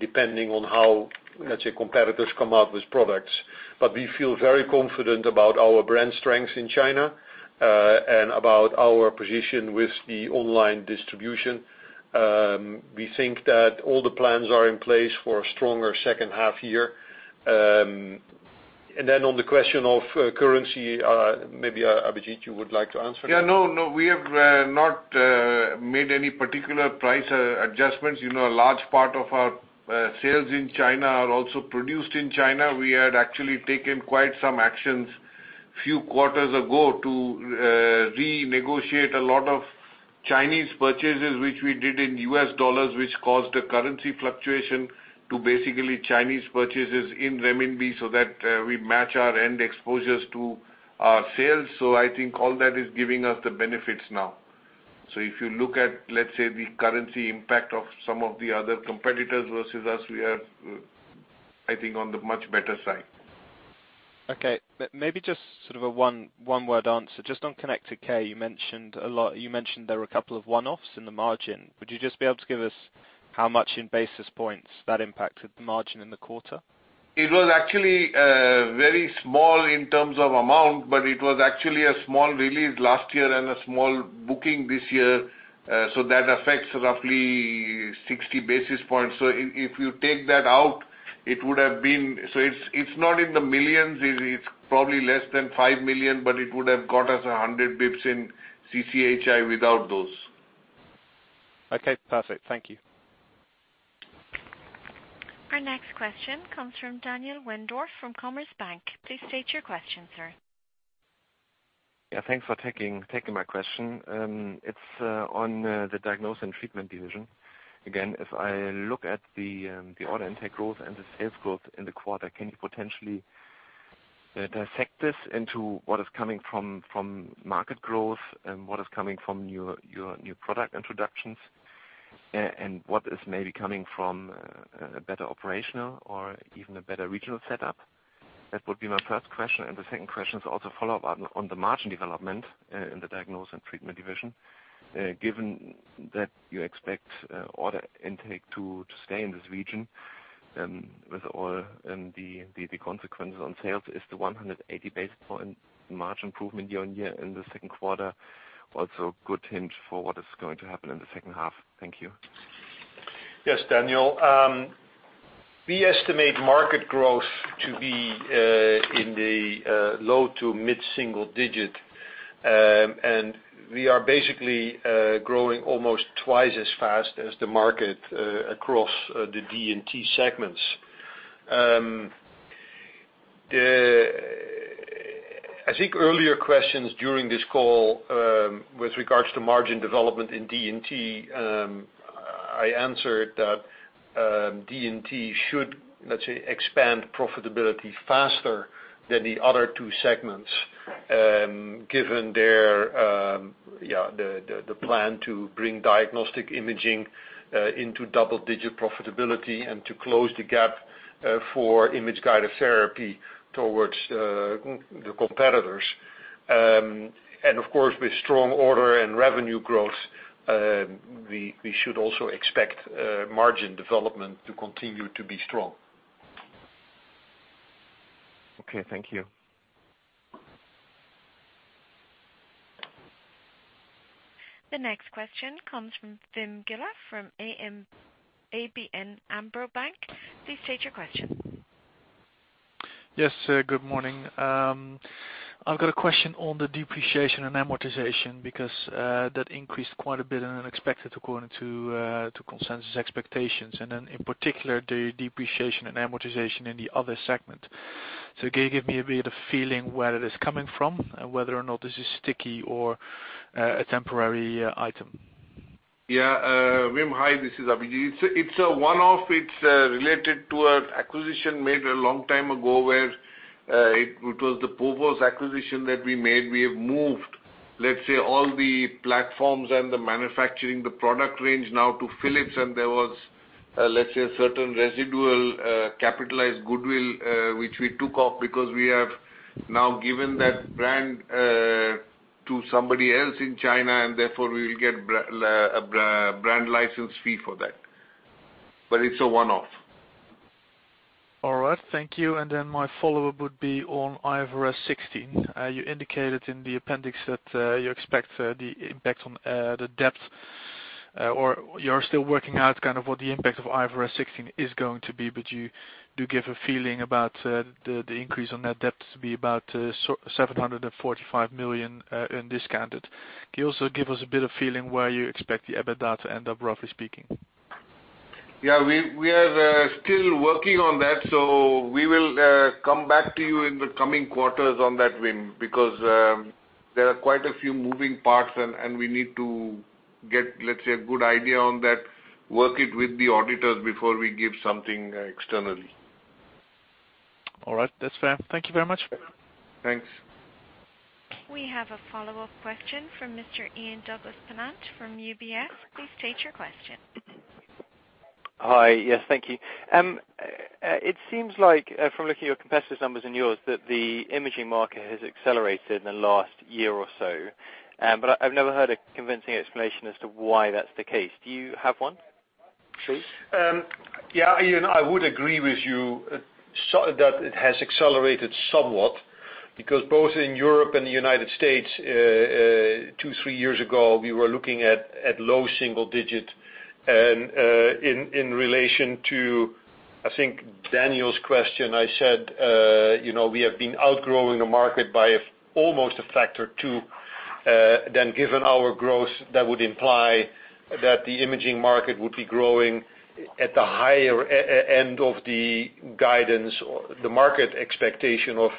depending on how, let's say, competitors come out with products. We feel very confident about our brand strengths in China, about our position with the online distribution. We think that all the plans are in place for a stronger second half year. Then on the question of currency, maybe Abhijit you would like to answer that. No, we have not made any particular price adjustments. A large part of our sales in China are also produced in China. We had actually taken quite some actions a few quarters ago to renegotiate a lot of Chinese purchases, which we did in US dollars, which caused a currency fluctuation to basically Chinese purchases in renminbi so that we match our end exposures to our sales. I think all that is giving us the benefits now. If you look at, let's say, the currency impact of some of the other competitors versus us, we are, I think, on the much better side. Okay. Maybe just sort of a one-word answer. Just on Connected Care, you mentioned there were a couple of one-offs in the margin. Would you just be able to give us how much in basis points that impacted the margin in the quarter? It was actually very small in terms of amount, it was actually a small release last year and a small booking this year. That affects roughly 60 basis points. If you take that out, it would have been It's not in the millions. It's probably less than 5 million, but it would have got us 100 basis points in CCHI without those. Okay, perfect. Thank you. Our next question comes from Daniel Windorf from Commerzbank. Please state your question, sir. Thanks for taking my question. It is on the Diagnosis and Treatment division. If I look at the order intake growth and the sales growth in the quarter, can you potentially dissect this into what is coming from market growth and what is coming from your new product introductions, and what is maybe coming from a better operational or even a better regional setup? That would be my first question. The second question is also a follow-up on the margin development in the Diagnosis and Treatment division. Given that you expect order intake to stay in this region with all the consequences on sales, is the 180 basis point margin improvement year-on-year in the second quarter also a good hint for what is going to happen in the second half? Thank you. Yes, Daniel. We estimate market growth to be in the low to mid-single digit. We are basically growing almost twice as fast as the market across the D&T segments. I think earlier questions during this call, with regards to margin development in D&T, I answered that D&T should, let's say, expand profitability faster than the other two segments, given the plan to bring Diagnostic Imaging into double-digit profitability and to close the gap for Image-Guided Therapy towards the competitors. Of course, with strong order and revenue growth, we should also expect margin development to continue to be strong. Okay. Thank you. The next question comes from Wim Gille from ABN AMRO Bank. Please state your question. Yes, good morning. I've got a question on the depreciation and amortization, because that increased quite a bit unexpected, according to consensus expectations, and in particular, the depreciation and amortization in the other segment. Can you give me a bit of feeling where it is coming from, and whether or not this is sticky or a temporary item? Wim, hi, this is Abhijit. It's a one-off. It's related to an acquisition made a long time ago, where it was the previous acquisition that we made. We have moved, let's say, all the platforms and the manufacturing, the product range now to Philips. There was, let's say, a certain residual capitalized goodwill, which we took off because we have now given that brand to somebody else in China, and therefore we will get a brand license fee for that. It's a one-off. All right, thank you. My follow-up would be on IFRS 16. You indicated in the appendix that you expect the impact on the debt, or you're still working out kind of what the impact of IFRS 16 is going to be, but you do give a feeling about the increase on that debt to be about 745 million in discounted. Can you also give us a bit of feeling where you expect the EBITDA to end up, roughly speaking? We are still working on that. We will come back to you in the coming quarters on that, Wim, because there are quite a few moving parts, and we need to get, let's say, a good idea on that, work it with the auditors before we give something externally. All right. That's fair. Thank you very much. Thanks. We have a follow-up question from Mr. Ian Douglas-Pennant from UBS. Please state your question. Hi. Yes, thank you. It seems like from looking at your competitors' numbers and yours, that the imaging market has accelerated in the last year or so. I've never heard a convincing explanation as to why that's the case. Do you have one? Sure. Yeah, Ian, I would agree with you that it has accelerated somewhat, because both in Europe and the U.S., two, three years ago, we were looking at low single digit. In relation to, I think Daniel's question, I said we have been outgrowing the market by almost a factor two. Given our growth, that would imply that the imaging market would be growing at the higher end of the guidance or the market expectation of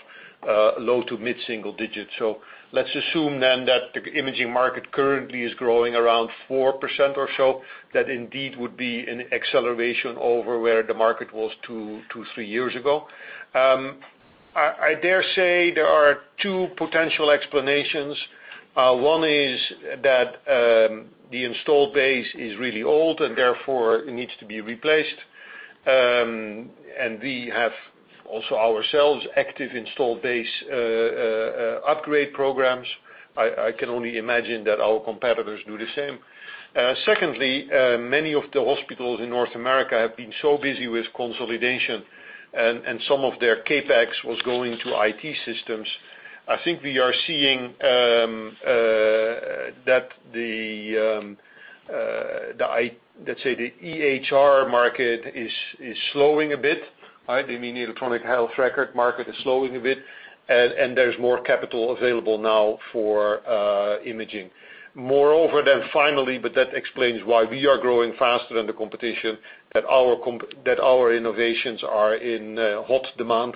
low to mid-single digits. Let's assume then that the imaging market currently is growing around 4% or so. That indeed would be an acceleration over where the market was two, three years ago. I dare say there are two potential explanations. One is that the installed base is really old, and therefore it needs to be replaced. We have also ourselves active installed base upgrade programs. I can only imagine that our competitors do the same. Many of the hospitals in North America have been so busy with consolidation, and some of their CapEx was going to IT systems. I think we are seeing that the, let's say, the EHR market is slowing a bit, right? They mean electronic health record market is slowing a bit, and there's more capital available now for imaging. Finally, that explains why we are growing faster than the competition, that our innovations are in hot demand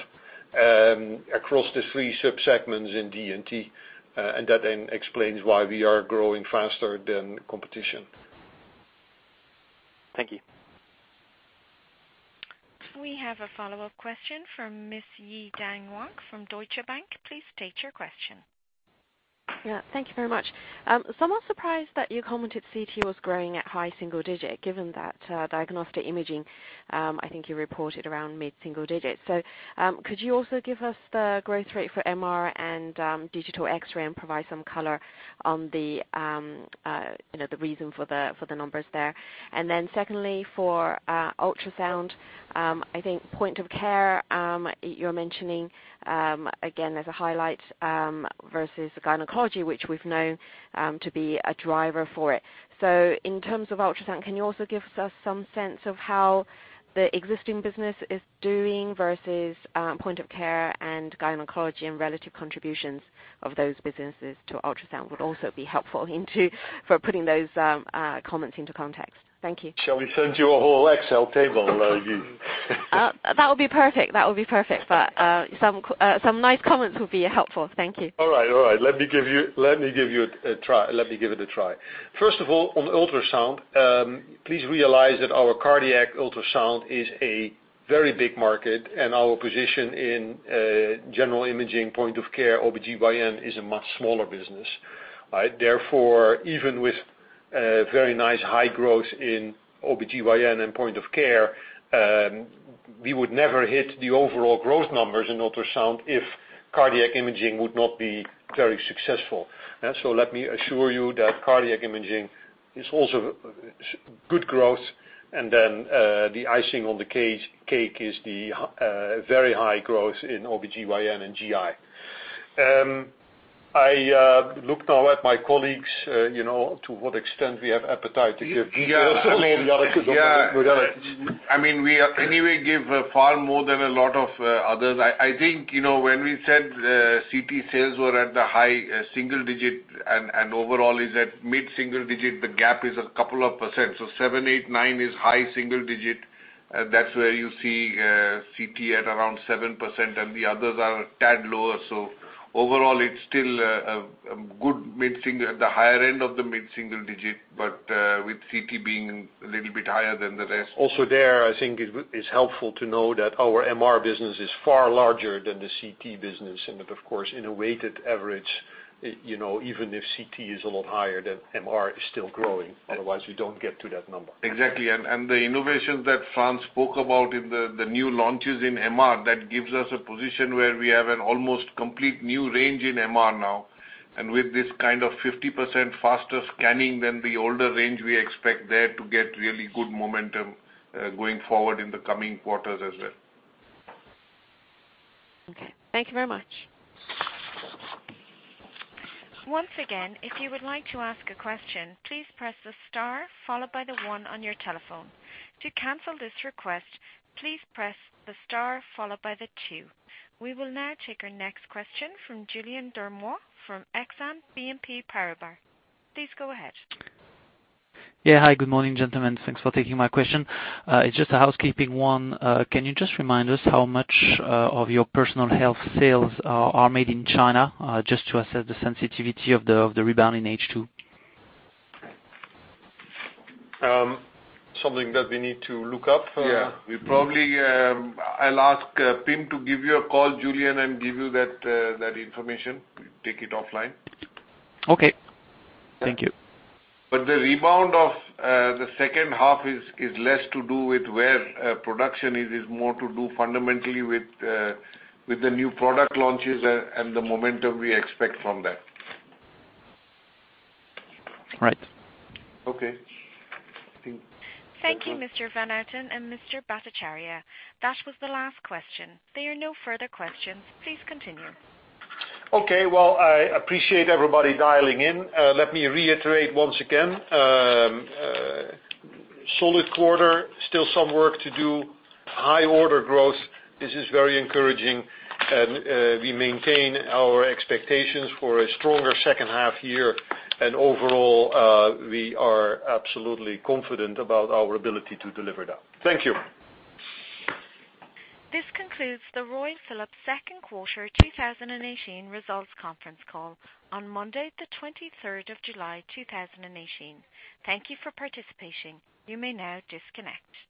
across the three sub-segments in D&T. That explains why we are growing faster than competition. Thank you. We have a follow-up question from Ms. Yi-Dan Wang from Deutsche Bank. Please state your question. Thank you very much. Somewhat surprised that you commented CT was growing at high single-digit, given that diagnostic imaging, I think you reported around mid-single-digits. Could you also give us the growth rate for MR and digital X-ray and provide some color on the reason for the numbers there? Secondly, for ultrasound, I think point of care, you're mentioning, again, as a highlight, versus gynecology, which we've known to be a driver for it. In terms of ultrasound, can you also give us some sense of how the existing business is doing versus point of care and gynecology and relative contributions of those businesses to ultrasound would also be helpful for putting those comments into context. Thank you. Shall we send you a whole Excel table, Yi? That would be perfect. Some nice comments would be helpful. Thank you. All right. Let me give it a try. First of all, on ultrasound, please realize that our cardiac ultrasound is a very big market, and our position in general imaging point of care, OBGYN, is a much smaller business. Therefore, even with very nice high growth in OBGYN and point of care, we would never hit the overall growth numbers in ultrasound if cardiac imaging would not be very successful. Let me assure you that cardiac imaging is also good growth, and then the icing on the cake is the very high growth in OBGYN and GI. I look now at my colleagues, to what extent we have appetite to give details Yeah. I mean, we anyway give far more than a lot of others. I think, when we said CT sales were at the high-single digit and overall is at mid-single digit, the gap is a couple of %. Seven, eight, nine is high-single digit. That's where you see CT at around 7%, and the others are a tad lower. Overall, it's still good, at the higher end of the mid-single digit, but with CT being a little bit higher than the rest. There, I think it's helpful to know that our MR business is far larger than the CT business, that of course in a weighted average, even if CT is a lot higher, that MR is still growing. Otherwise, we don't get to that number. Exactly. The innovations that Frans spoke about in the new launches in MR, that gives us a position where we have an almost complete new range in MR now. With this kind of 50% faster scanning than the older range, we expect there to get really good momentum going forward in the coming quarters as well. Okay. Thank you very much. Once again, if you would like to ask a question, please press the star followed by the one on your telephone. To cancel this request, please press the star followed by the two. We will now take our next question from Julien Dormois from Exane BNP Paribas. Please go ahead. Yeah. Hi. Good morning, gentlemen. Thanks for taking my question. It's just a housekeeping one. Can you just remind us how much of your personal health sales are made in China, just to assess the sensitivity of the rebound in H2? Something that we need to look up. Yeah. I'll ask Pim to give you a call, Julien, and give you that information. We take it offline. Okay. Thank you. The rebound of the second half is less to do with where production is. It's more to do fundamentally with the new product launches and the momentum we expect from that. Right. Okay. Thank you, Mr. Van Houten and Mr. Bhattacharya. That was the last question. There are no further questions. Please continue. Okay. Well, I appreciate everybody dialing in. Let me reiterate once again. Solid quarter, still some work to do. High order growth. This is very encouraging, and we maintain our expectations for a stronger second half year, and overall, we are absolutely confident about our ability to deliver that. Thank you. This concludes the Royal Philips second quarter 2018 results conference call on Monday, the 23rd of July, 2018. Thank you for participating. You may now disconnect.